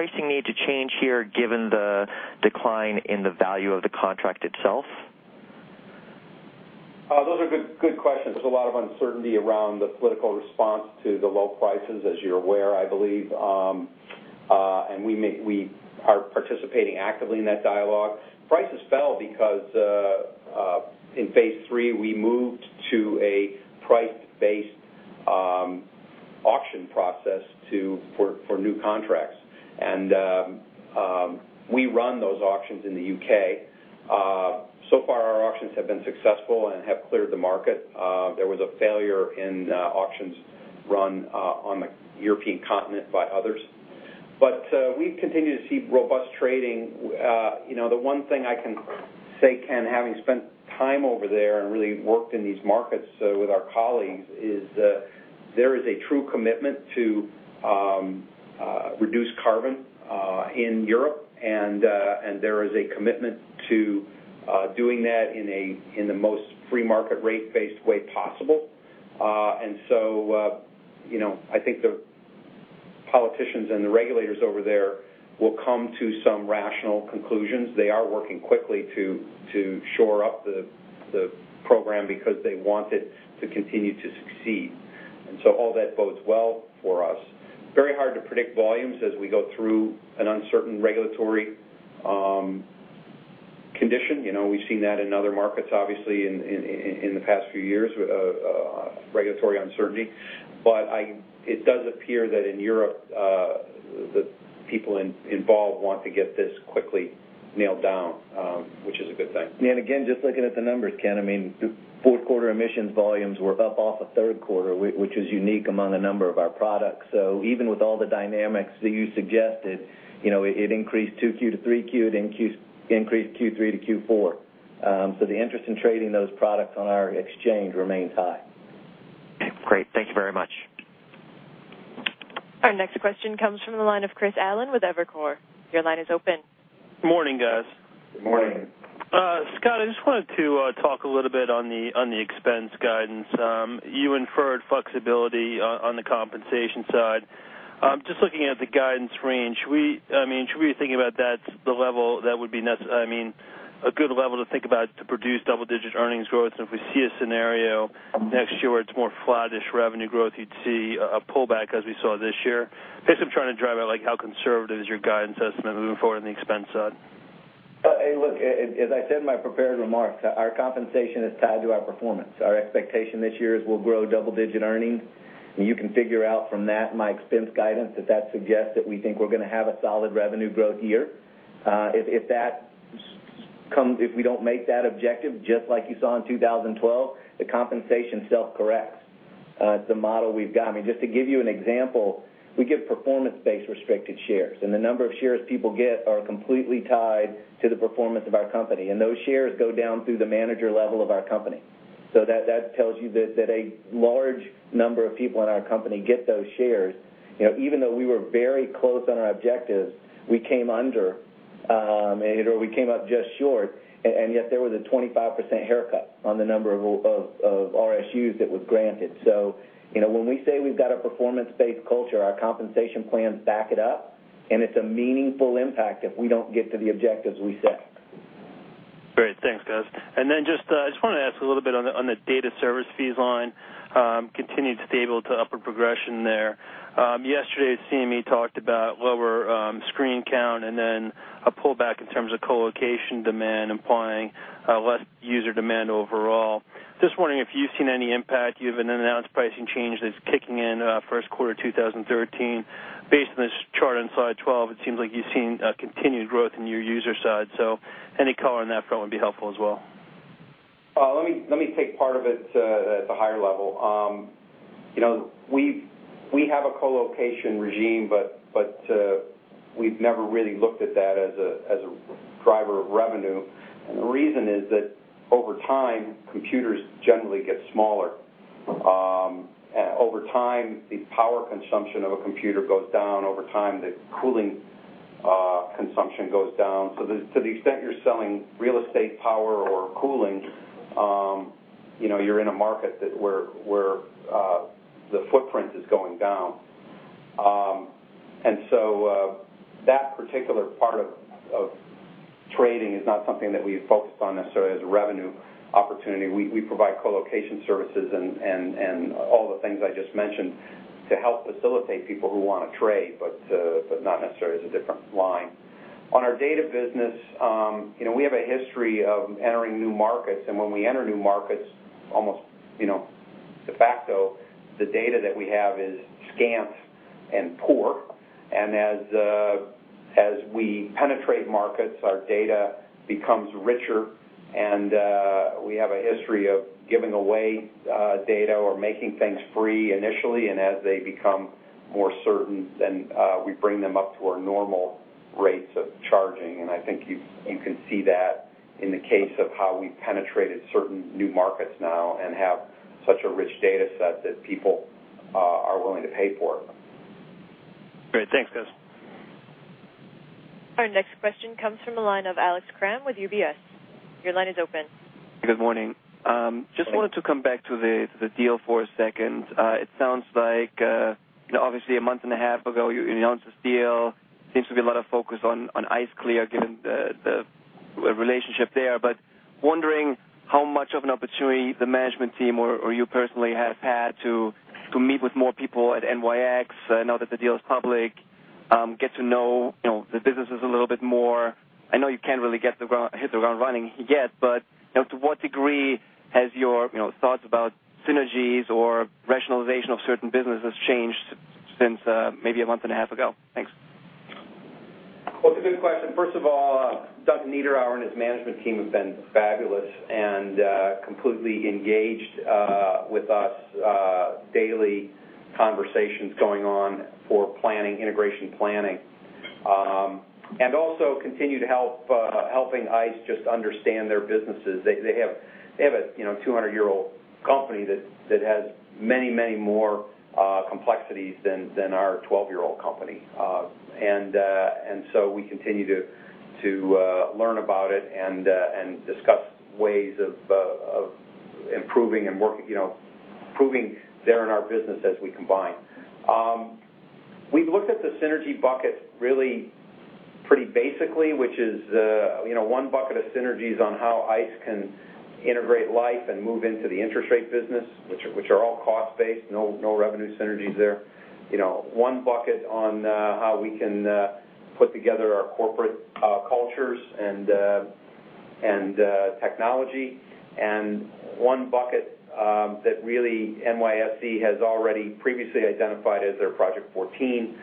Does pricing need to change here given the decline in the value of the contract itself? Those are good questions. There's a lot of uncertainty around the political response to the low prices, as you're aware, I believe. We are participating actively in that dialogue. Prices fell because, in phase III, we moved to a price-based auction process for new contracts. We run those auctions in the U.K. So far, our auctions have been successful and have cleared the market. There was a failure in auctions run on the European continent by others. We continue to see robust trading. The one thing I can say, Ken, having spent time over there and really worked in these markets with our colleagues, is there is a true commitment to reduce carbon in Europe, there is a commitment to doing that in the most free market rate-based way possible. I think the politicians and the regulators over there will come to some rational conclusions. They are working quickly to shore up the program because they want it to continue to succeed. All that bodes well for us. Very hard to predict volumes as we go through an uncertain regulatory condition. We've seen that in other markets, obviously, in the past few years, regulatory uncertainty. It does appear that in Europe, the people involved want to get this quickly nailed down, which is a good thing. Just looking at the numbers, Ken, fourth quarter emissions volumes were up off of third quarter, which is unique among a number of our products. Even with all the dynamics that you suggested, it increased 2Q to 3Q, it increased Q3 to Q4. The interest in trading those products on our exchange remains high. Great. Thank you very much. Our next question comes from the line of Christopher Allen with Evercore. Your line is open. Morning, guys. Morning. Morning. Scott, I just wanted to talk a little bit on the expense guidance. You inferred flexibility on the compensation side. Just looking at the guidance range, should we be thinking about the level that would be a good level to think about to produce double-digit earnings growth? If we see a scenario next year where it's more flattish revenue growth, you'd see a pullback as we saw this year? I guess I'm trying to drive at how conservative is your guidance estimate moving forward on the expense side? Look, as I said in my prepared remarks, our compensation is tied to our performance. Our expectation this year is we'll grow double-digit earnings, and you can figure out from that my expense guidance that that suggests that we think we're going to have a solid revenue growth year. If we don't make that objective, just like you saw in 2012, the compensation self-corrects. It's the model we've got. Just to give you an example, we give performance-based restricted shares, and the number of shares people get are completely tied to the performance of our company. Those shares go down through the manager level of our company. That tells you that a large number of people in our company get those shares. Even though we were very close on our objectives, we came under, or we came up just short, and yet there was a 25% haircut on the number of RSUs that was granted. When we say we've got a performance-based culture, our compensation plans back it up, and it's a meaningful impact if we don't get to the objectives we set. Great. Thanks, guys. I just wanted to ask a little bit on the data service fees line, continued stable to upper progression there. Yesterday, CME talked about lower screen count and then a pullback in terms of colocation demand, implying less user demand overall. Just wondering if you've seen any impact. You have an announced pricing change that's kicking in first quarter 2013. Based on this chart on slide 12, it seems like you've seen a continued growth in your user side. Any color on that front would be helpful as well. Let me take part of it at the higher level. We have a colocation regime, but we've never really looked at that as a driver of revenue. The reason is that over time, computers generally get smaller. Over time, the power consumption of a computer goes down. Over time, the cooling consumption goes down. To the extent you're selling real estate power or cooling, you're in a market where the footprint is going down. That particular part of trading is not something that we've focused on necessarily as a revenue opportunity. We provide co-location services and all the things I just mentioned to help facilitate people who want to trade, but not necessarily as a different line. On our data business, we have a history of entering new markets. When we enter new markets, almost de facto, the data that we have is scant and poor. As we penetrate markets, our data becomes richer. We have a history of giving away data or making things free initially. As they become more certain, then we bring them up to our normal rates of charging. I think you can see that in the case of how we've penetrated certain new markets now and have such a rich data set that people are willing to pay for. Great. Thanks, guys. Our next question comes from the line of Alex Kramm with UBS. Your line is open. Good morning. Just wanted to come back to the deal for a second. It sounds like, obviously a month and a half ago, you announced this deal. Seems to be a lot of focus on ICE Clear given the relationship there, but wondering how much of an opportunity the management team or you personally have had to meet with more people at NYX now that the deal is public, get to know the businesses a little bit more. I know you can't really hit the ground running yet, but to what degree has your thoughts about synergies or rationalization of certain businesses changed since maybe a month and a half ago? Thanks. Well, it's a good question. First of all, Duncan Niederauer and his management team have been fabulous and completely engaged with us, daily conversations going on for integration planning. Also continue to helping ICE just understand their businesses. They have a 200-year-old company that has many, many more complexities than our 12-year-old company. We continue to learn about it and discuss ways of improving there in our business as we combine. We've looked at the synergy bucket really pretty basically, which is one bucket of synergies on how ICE can integrate Liffe and move into the interest rate business, which are all cost-based, no revenue synergies there. One bucket on how we can put together our corporate cultures and technology, and one bucket that really NYSE has already previously identified as their Project 14,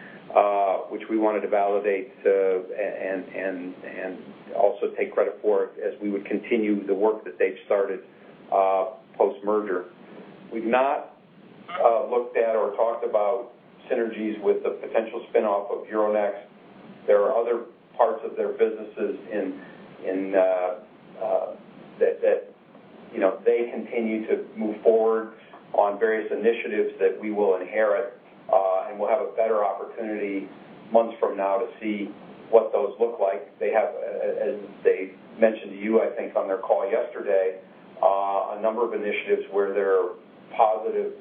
which we wanted to validate and also take credit for as we would continue the work that they've started post-merger. We've not looked at or talked about synergies with the potential spin-off of Euronext. There are other parts of their businesses that they continue to move forward on various initiatives that we will inherit, and we'll have a better opportunity months from now to see what those look like. They have, as they've mentioned to you, I think, on their call yesterday, a number of initiatives where there are positive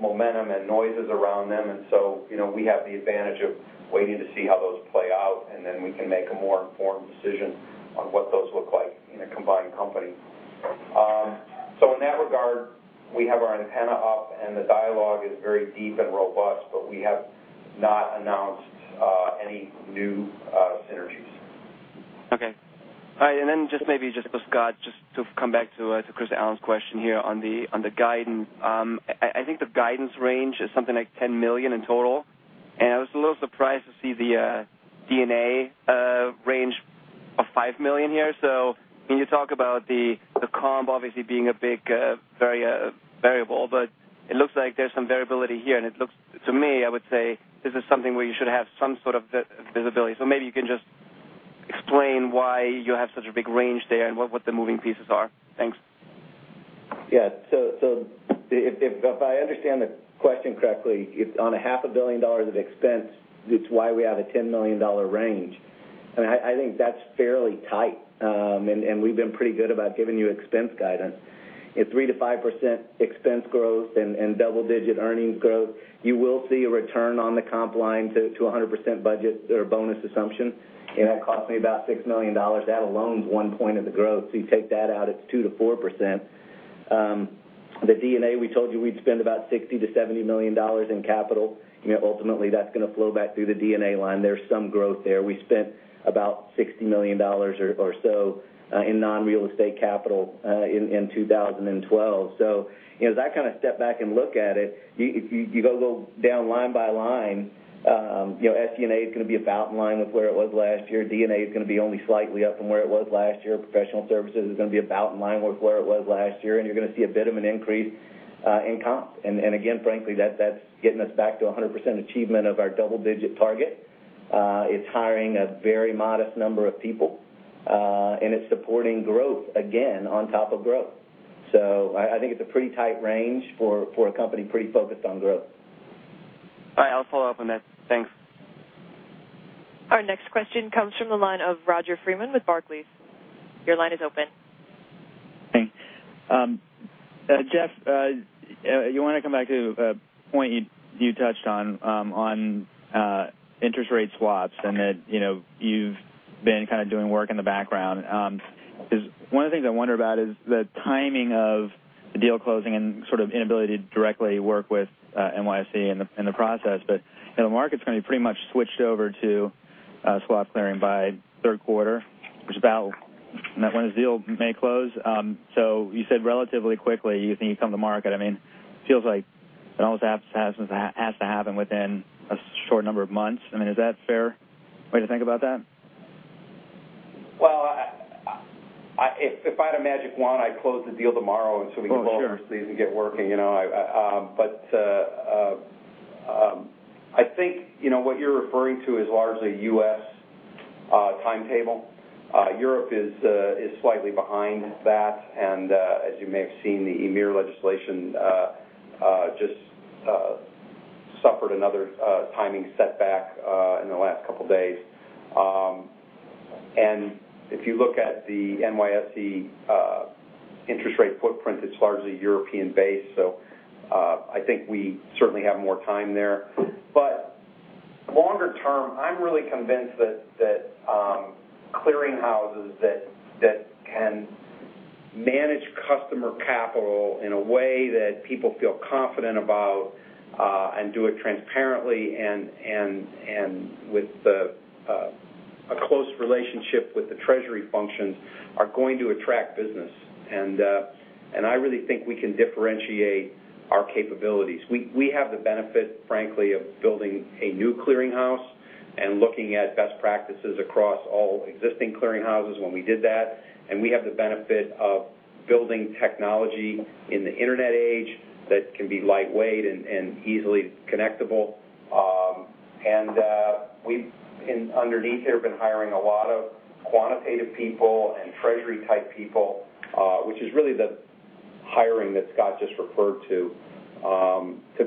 momentum and noises around them, then we have the advantage of waiting to see how those play out, and then we can make a more informed decision on what those look like in a combined company. In that regard, we have our antenna up, and the dialogue is very deep and robust, but we have not announced any new synergies. Okay. All right, just maybe, just for Scott, just to come back to Christopher Allen's question here on the guidance. I think the guidance range is something like $10 million in total. I was a little surprised to see the D&A range of $5 million here. When you talk about the comp obviously being a big variable, it looks like there's some variability here. It looks to me, I would say, this is something where you should have some sort of visibility. Maybe you can just explain why you have such a big range there and what the moving pieces are. Thanks. Yeah. If I understand the question correctly, on a half a billion dollars of expense, it's why we have a $10 million range. I think that's fairly tight. We've been pretty good about giving you expense guidance. At 3%-5% expense growth and double-digit earnings growth, you will see a return on the comp line to 100% budget or bonus assumption. That costs me about $6 million. That alone is one point of the growth. You take that out, it's 2%-4%. The D&A, we told you we'd spend about $60 million-$70 million in capital. Ultimately, that's going to flow back through the D&A line. There's some growth there. We spent about $60 million or so in non-real estate capital in 2012. As I kind of step back and look at it, you go down line by line, SG&A is going to be about in line with where it was last year. D&A is going to be only slightly up from where it was last year. Professional services is going to be about in line with where it was last year. You're going to see a bit of an increase in comp. Again, frankly, that's getting us back to 100% achievement of our double-digit target. It's hiring a very modest number of people. It's supporting growth again on top of growth. I think it's a pretty tight range for a company pretty focused on growth. All right. I'll follow up on that. Thanks. Our next question comes from the line of Roger Freeman with Barclays. Your line is open. Thanks. Jeff, you want to come back to a point you touched on interest rate swaps and that you've been kind of doing work in the background. One of the things I wonder about is the timing of the deal closing and sort of inability to directly work with NYSE in the process. The market's going to be pretty much switched over to swap clearing by third quarter, which is about when this deal may close. You said relatively quickly you think you come to market. It feels like it almost has to happen within a short number of months. Is that a fair way to think about that? Well, if I had a magic wand, I'd close the deal tomorrow. Oh, sure. these and get working. I think what you're referring to is largely U.S. timetable. Europe is slightly behind that. As you may have seen, the EMIR legislation just suffered another timing setback in the last couple of days. If you look at the NYSE interest rate footprint, it's largely European-based. I think we certainly have more time there. Longer term, I'm really convinced that clearing houses that can manage customer capital in a way that people feel confident about, and do it transparently and with a close relationship with the treasury functions are going to attract business. I really think we can differentiate our capabilities. We have the benefit, frankly, of building a new clearing house and looking at best practices across all existing clearing houses when we did that. We have the benefit of building technology in the internet age that can be lightweight and easily connectable. We've, underneath here, been hiring a lot of quantitative people and treasury-type people, which is really the hiring that Scott just referred to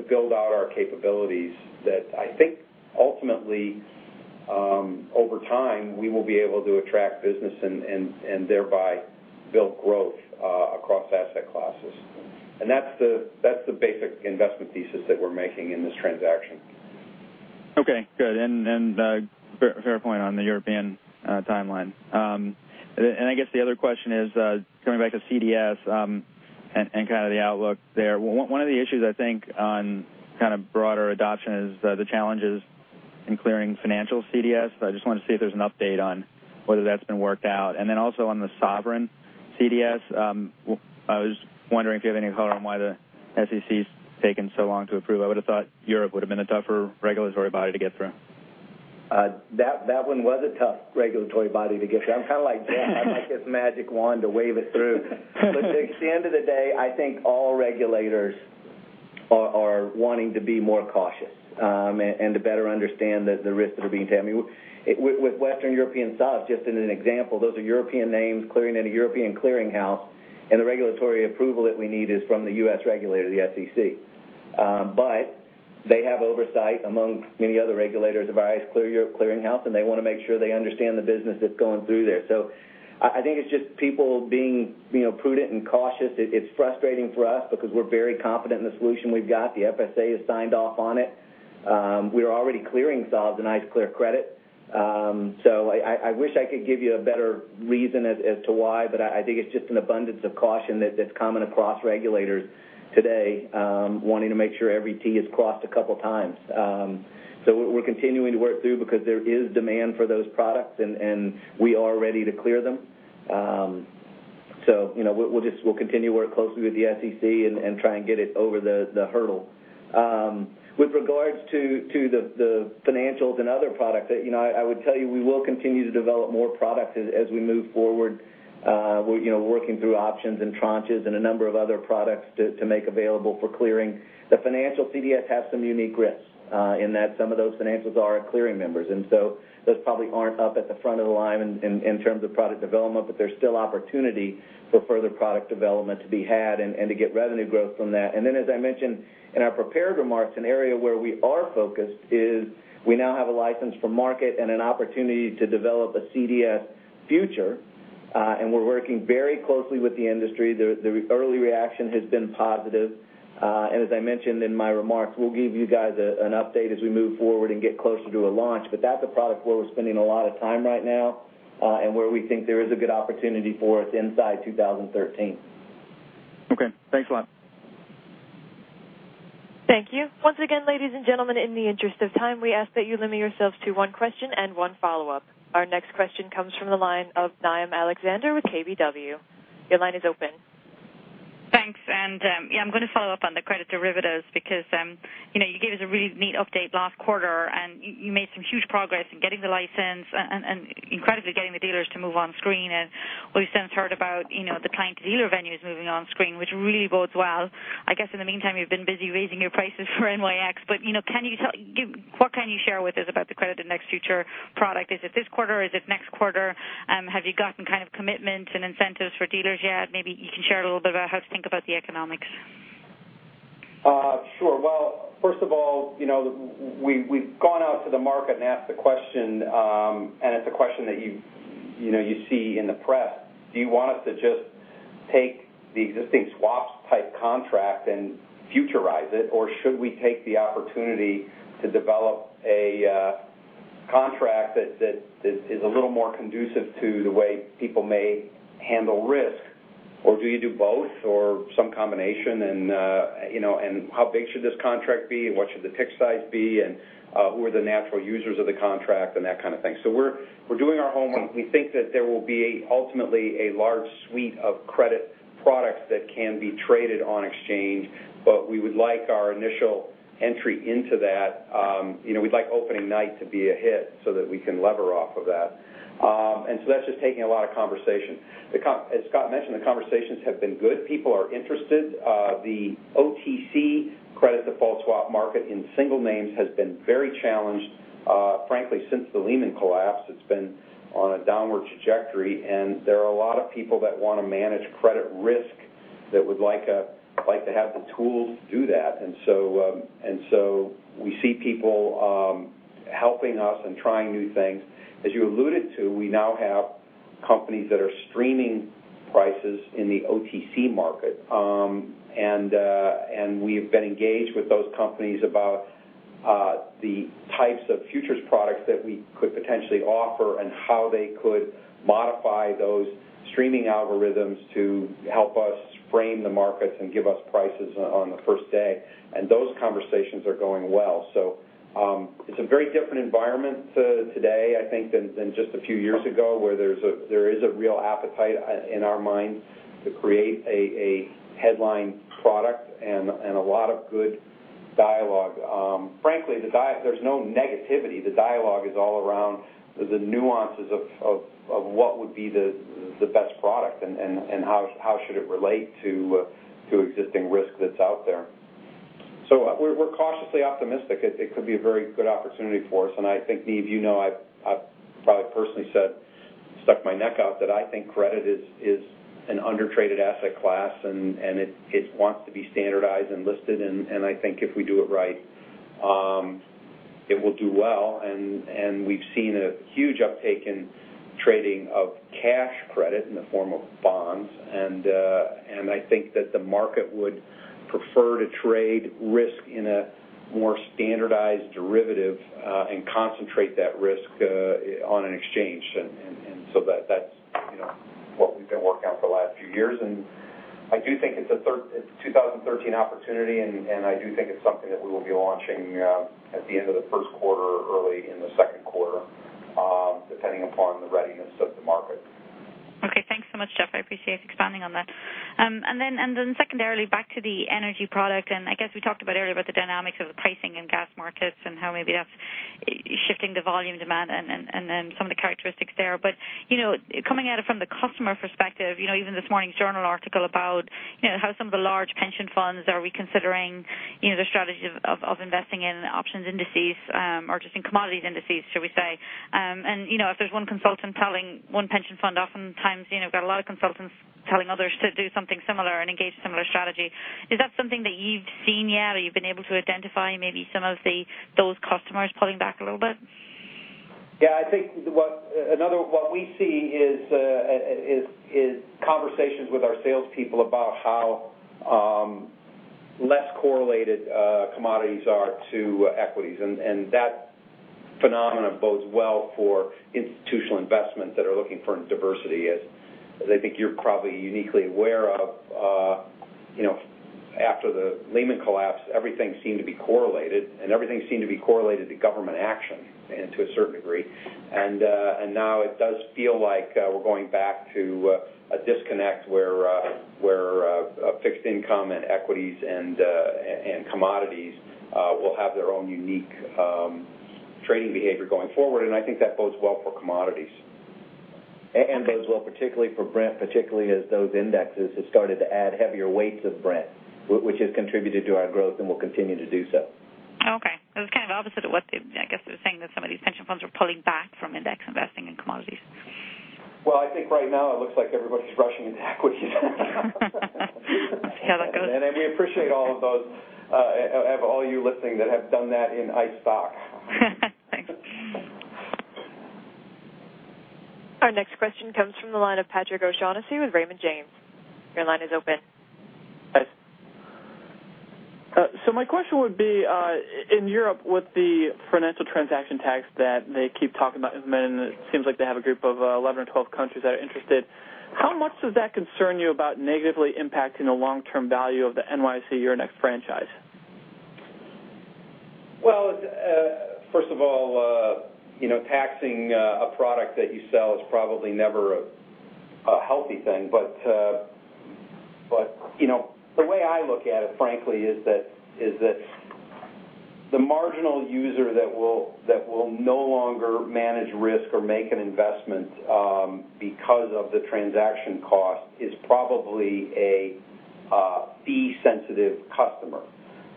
build out our capabilities that I think ultimately, over time, we will be able to attract business and thereby build growth across asset classes. That's the basic investment thesis that we're making in this transaction. Okay, good. Fair point on the European timeline. I guess the other question is, going back to CDS, and kind of the outlook there. One of the issues I think on kind of broader adoption is the challenges in clearing financial CDS. I just wanted to see if there's an update on whether that's been worked out. Then also on the sovereign CDS, I was wondering if you have any color on why the SEC's taken so long to approve. I would've thought Europe would've been a tougher regulatory body to get through. That one was a tough regulatory body to get through. I'm kind of like, "Damn, I'd like this magic wand to wave it through." At the end of the day, I think all regulators are wanting to be more cautious, and to better understand the risks that are being taken. With Western European SOVs, just as an example, those are European names clearing in a European clearing house, and the regulatory approval that we need is from the U.S. regulator, the SEC. They have oversight, among many other regulators, of ICE Clear Europe clearing house, and they want to make sure they understand the business that's going through there. I think it's just people being prudent and cautious. It's frustrating for us because we're very confident in the solution we've got. The FSA has signed off on it. We're already clearing SOVs in ICE Clear Credit. I wish I could give you a better reason as to why, I think it's just an abundance of caution that's common across regulators today, wanting to make sure every T is crossed a couple times. We're continuing to work through because there is demand for those products, and we are ready to clear them. We'll continue to work closely with the SEC and try and get it over the hurdle. With regards to the financials and other products, I would tell you we will continue to develop more products as we move forward, working through options and tranches and a number of other products to make available for clearing. The financial CDS has some unique risks, in that some of those financials are our clearing members. Those probably aren't up at the front of the line in terms of product development, there's still opportunity for further product development to be had and to get revenue growth from that. As I mentioned in our prepared remarks, an area where we are focused is we now have a license for market and an opportunity to develop a CDS future. We're working very closely with the industry. The early reaction has been positive. As I mentioned in my remarks, we'll give you guys an update as we move forward and get closer to a launch. That's a product where we're spending a lot of time right now, and where we think there is a good opportunity for us inside 2013. Okay. Thanks a lot. Thank you. Once again, ladies and gentlemen, in the interest of time, we ask that you limit yourselves to one question and one follow-up. Our next question comes from the line of Niamh Alexander with KBW. Your line is open. Thanks. I'm going to follow up on the credit derivatives because you gave us a really neat update last quarter, and you made some huge progress in getting the license and incredibly getting the dealers to move on screen. We've since heard about the client-to-dealer venues moving on screen, which really bodes well. I guess in the meantime, you've been busy raising your prices for NYSE, what can you share with us about the credit index future product? Is it this quarter? Is it next quarter? Have you gotten commitments and incentives for dealers yet? Maybe you can share a little bit about how to think about the economics. Sure. First of all, we've gone out to the market and asked the question, it's a question that you see in the press. Do you want us to just take the existing swaps-type contract and futurize it, or should we take the opportunity to develop a contract that is a little more conducive to the way people may handle risk? Do you do both or some combination, and how big should this contract be, and what should the tick size be, and who are the natural users of the contract, and that kind of thing. We're doing our homework. We think that there will be, ultimately, a large suite of credit products that can be traded on exchange. We would like our initial entry into that, we'd like opening night to be a hit so that we can lever off of that. That's just taking a lot of conversation. As Scott mentioned, the conversations have been good. People are interested. The OTC credit default swap market in single names has been very challenged, frankly, since the Lehman Brothers collapse. It's been on a downward trajectory, there are a lot of people that want to manage credit risk that would like to have the tools to do that. We see people helping us and trying new things. As you alluded to, we now have companies that are streaming prices in the OTC market. We've been engaged with those companies about the types of futures products that we could potentially offer and how they could modify those streaming algorithms to help us frame the markets and give us prices on the first day. Those conversations are going well. It's a very different environment today, I think, than just a few years ago, where there is a real appetite, in our mind, to create a headline product and a lot of good dialogue. Frankly, there's no negativity. The dialogue is all around the nuances of what would be the best product and how should it relate to existing risk that's out there. We're cautiously optimistic. It could be a very good opportunity for us. I think, Niamh, I've probably personally stuck my neck out that I think credit is an under-traded asset class, it wants to be standardized and listed. I think if we do it right, it will do well. We've seen a huge uptake in trading of cash credit in the form of bonds. I think that the market would prefer to trade risk in a more standardized derivative and concentrate that risk on an exchange. That's what we've been working on for the last few years. I do think it's a 2013 opportunity, and I do think it's something that we will be launching at the end of the first quarter or early in the second quarter, depending upon the readiness of the market. Okay. Thanks so much, Jeff. I appreciate you expanding on that. Secondarily, back to the energy product, I guess we talked about earlier about the dynamics of the pricing in gas markets and how maybe that's shifting the volume demand and then some of the characteristics there. Coming at it from the customer perspective, even this morning's journal article about how some of the large pension funds are reconsidering the strategy of investing in options indices or just in commodities indices, shall we say. If there's one consultant telling one pension fund, oftentimes, you've got a lot of consultants telling others to do something similar and engage a similar strategy. Is that something that you've seen yet or you've been able to identify maybe some of those customers pulling back a little bit? I think what we see is conversations with our salespeople about how less correlated commodities are to equities. That phenomenon bodes well for institutional investments that are looking for diversity. As I think you're probably uniquely aware of, after the Lehman collapse, everything seemed to be correlated, everything seemed to be correlated to government action to a certain degree. Now it does feel like we're going back to a disconnect where fixed income and equities and commodities will have their own unique trading behavior going forward. I think that bodes well for commodities. Bodes well particularly for Brent, particularly as those indexes have started to add heavier weights of Brent, which has contributed to our growth and will continue to do so. Okay. It's kind of opposite of what they, I guess, they were saying that some of these pension funds were pulling back from index investing in commodities. Well, I think right now it looks like everybody's rushing into equities. See how that goes. We appreciate all of those, all you listening that have done that in ICE stock. Thanks. Our next question comes from the line of Patrick O'Shaughnessy with Raymond James. Your line is open. Thanks. My question would be, in Europe, with the financial transaction tax that they keep talking about implementing, it seems like they have a group of 11 or 12 countries that are interested. How much does that concern you about negatively impacting the long-term value of the NYSE Euronext franchise? Well, first of all, taxing a product that you sell is probably never a healthy thing. The way I look at it, frankly, is that the marginal user that will no longer manage risk or make an investment because of the transaction cost is probably a fee-sensitive customer.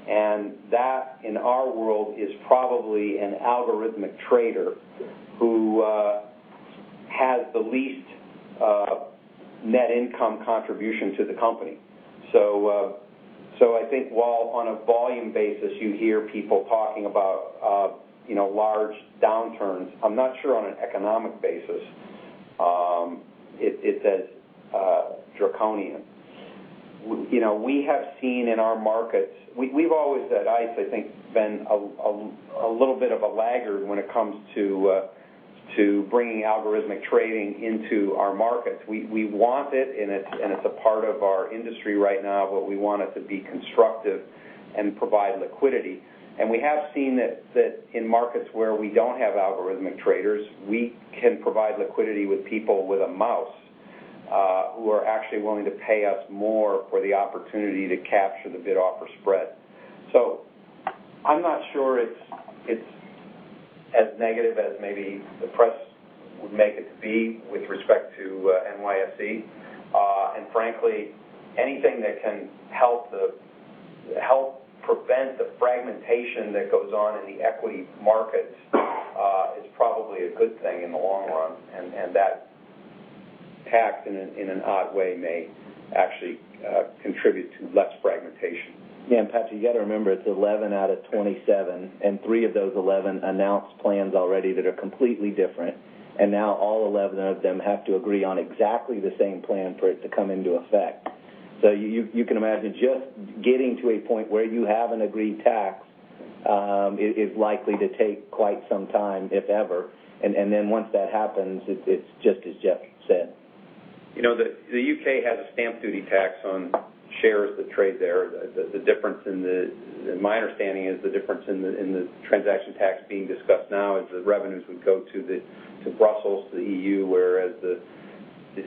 That, in our world, is probably an algorithmic trader who has the least net income contribution to the company. I think while on a volume basis, you hear people talking about large downturns, I'm not sure on an economic basis, it's as draconian. We have seen in our markets. We've always, at ICE, I think, been a little bit of a laggard when it comes to bringing algorithmic trading into our markets. We want it, and it's a part of our industry right now, but we want it to be constructive and provide liquidity. We have seen that in markets where we don't have algorithmic traders, we can provide liquidity with people with a mouse, who are actually willing to pay us more for the opportunity to capture the bid-offer spread. I'm not sure it's as negative as maybe the press would make it to be with respect to NYSE. Frankly, anything that can help prevent the fragmentation that goes on in the equity markets is probably a good thing in the long run, and that tax, in an odd way, may actually contribute to less fragmentation. Yeah, and Patsy, you got to remember, it's 11 out of 27, and three of those 11 announced plans already that are completely different. Now all 11 of them have to agree on exactly the same plan for it to come into effect. You can imagine just getting to a point where you have an agreed tax is likely to take quite some time, if ever. Then once that happens, it's just as Jeff said. The U.K. has a stamp duty tax on shares that trade there. My understanding is the difference in the transaction tax being discussed now is the revenues would go to Brussels, to the EU, whereas the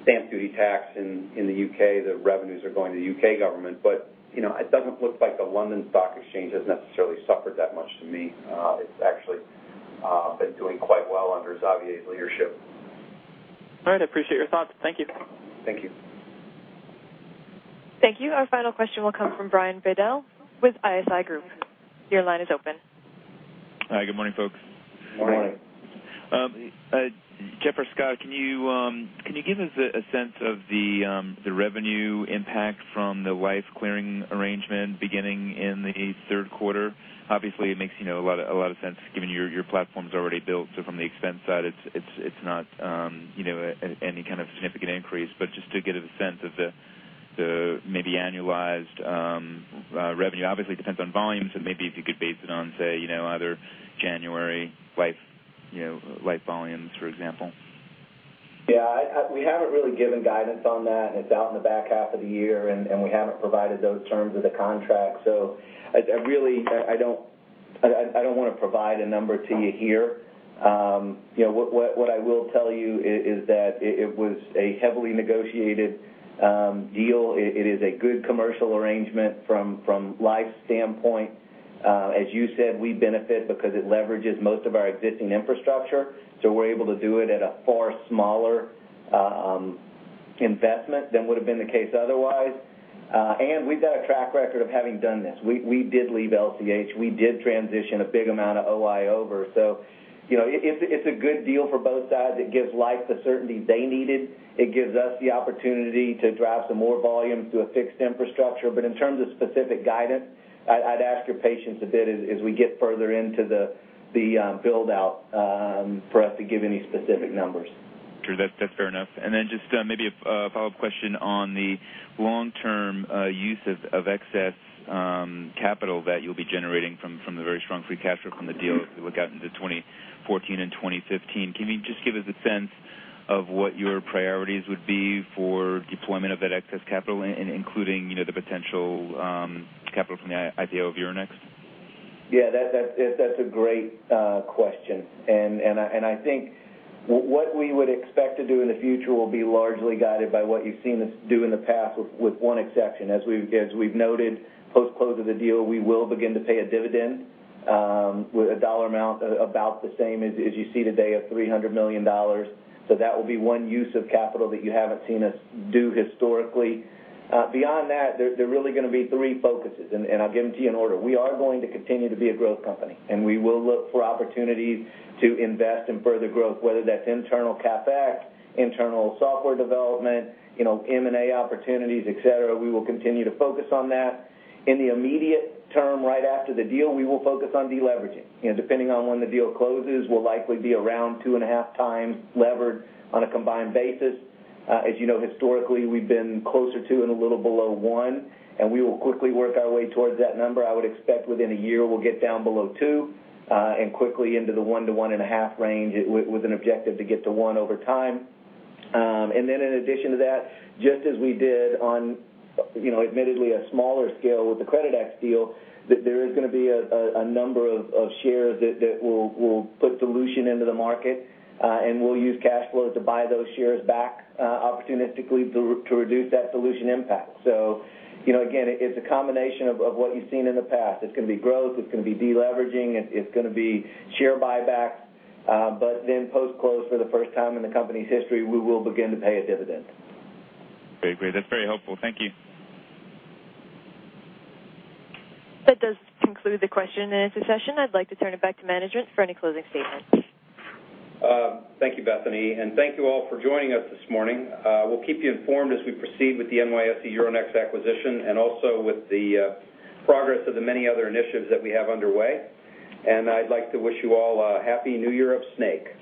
stamp duty tax in the U.K., the revenues are going to the U.K. government. It doesn't look like the London Stock Exchange has necessarily suffered that much to me. It's actually been doing quite well under Xavier's leadership. All right. I appreciate your thoughts. Thank you. Thank you. Thank you. Our final question will come from Brian Bedell with ISI Group. Your line is open. Hi, good morning, folks. Morning. Morning. Jeff or Scott, can you give us a sense of the revenue impact from the Liffe clearing arrangement beginning in the third quarter? Obviously, it makes a lot of sense given your platform's already built, so from the expense side, it's not any kind of significant increase. Just to get a sense of the maybe annualized revenue. Obviously, it depends on volumes, so maybe if you could base it on, say, either January Liffe volumes, for example. Yeah. We haven't really given guidance on that. It's out in the back half of the year. We haven't provided those terms of the contract. Really, I don't want to provide a number to you here. What I will tell you is that it was a heavily negotiated deal. It is a good commercial arrangement from Liffe's standpoint. As you said, we benefit because it leverages most of our existing infrastructure, so we're able to do it at a far smaller investment than would've been the case otherwise. We've got a track record of having done this. We did leave LCH. We did transition a big amount of OI over. It's a good deal for both sides. It gives Liffe the certainty they needed. It gives us the opportunity to drive some more volume through a fixed infrastructure. In terms of specific guidance, I'd ask your patience a bit as we get further into the build-out for us to give any specific numbers. Sure. That's fair enough. Then just maybe a follow-up question on the long-term use of excess capital that you'll be generating from the very strong free cash flow from the deal as we look out into 2014 and 2015. Can you just give us a sense of what your priorities would be for deployment of that excess capital, including the potential capital from the IPO of Euronext? Yeah, that's a great question. I think what we would expect to do in the future will be largely guided by what you've seen us do in the past, with one exception. As we've noted, post-close of the deal, we will begin to pay a dividend with a dollar amount about the same as you see today of $300 million. That will be one use of capital that you haven't seen us do historically. Beyond that, there are really going to be three focuses. I'll give them to you in order. We are going to continue to be a growth company. We will look for opportunities to invest in further growth, whether that's internal CapEx, internal software development, M&A opportunities, et cetera. We will continue to focus on that. In the immediate term, right after the deal, we will focus on de-leveraging. Depending on when the deal closes, we'll likely be around two and a half times levered on a combined basis. As you know, historically, we've been closer to and a little below one. We will quickly work our way towards that number. I would expect within a year, we'll get down below two, quickly into the one to one and a half range, with an objective to get to one over time. In addition to that, just as we did on admittedly a smaller scale with the Creditex deal, there is going to be a number of shares that will put dilution into the market. We'll use cash flow to buy those shares back opportunistically to reduce that dilution impact. Again, it's a combination of what you've seen in the past. It's going to be growth, it's going to be de-leveraging, it's going to be share buybacks. Post-close, for the first time in the company's history, we will begin to pay a dividend. Great. That's very helpful. Thank you. That does conclude the question and answer session. I'd like to turn it back to management for any closing statements. Thank you, Bethany. Thank you all for joining us this morning. We'll keep you informed as we proceed with the NYSE/Euronext acquisition and also with the progress of the many other initiatives that we have underway. I'd like to wish you all a Happy New Year of Snake.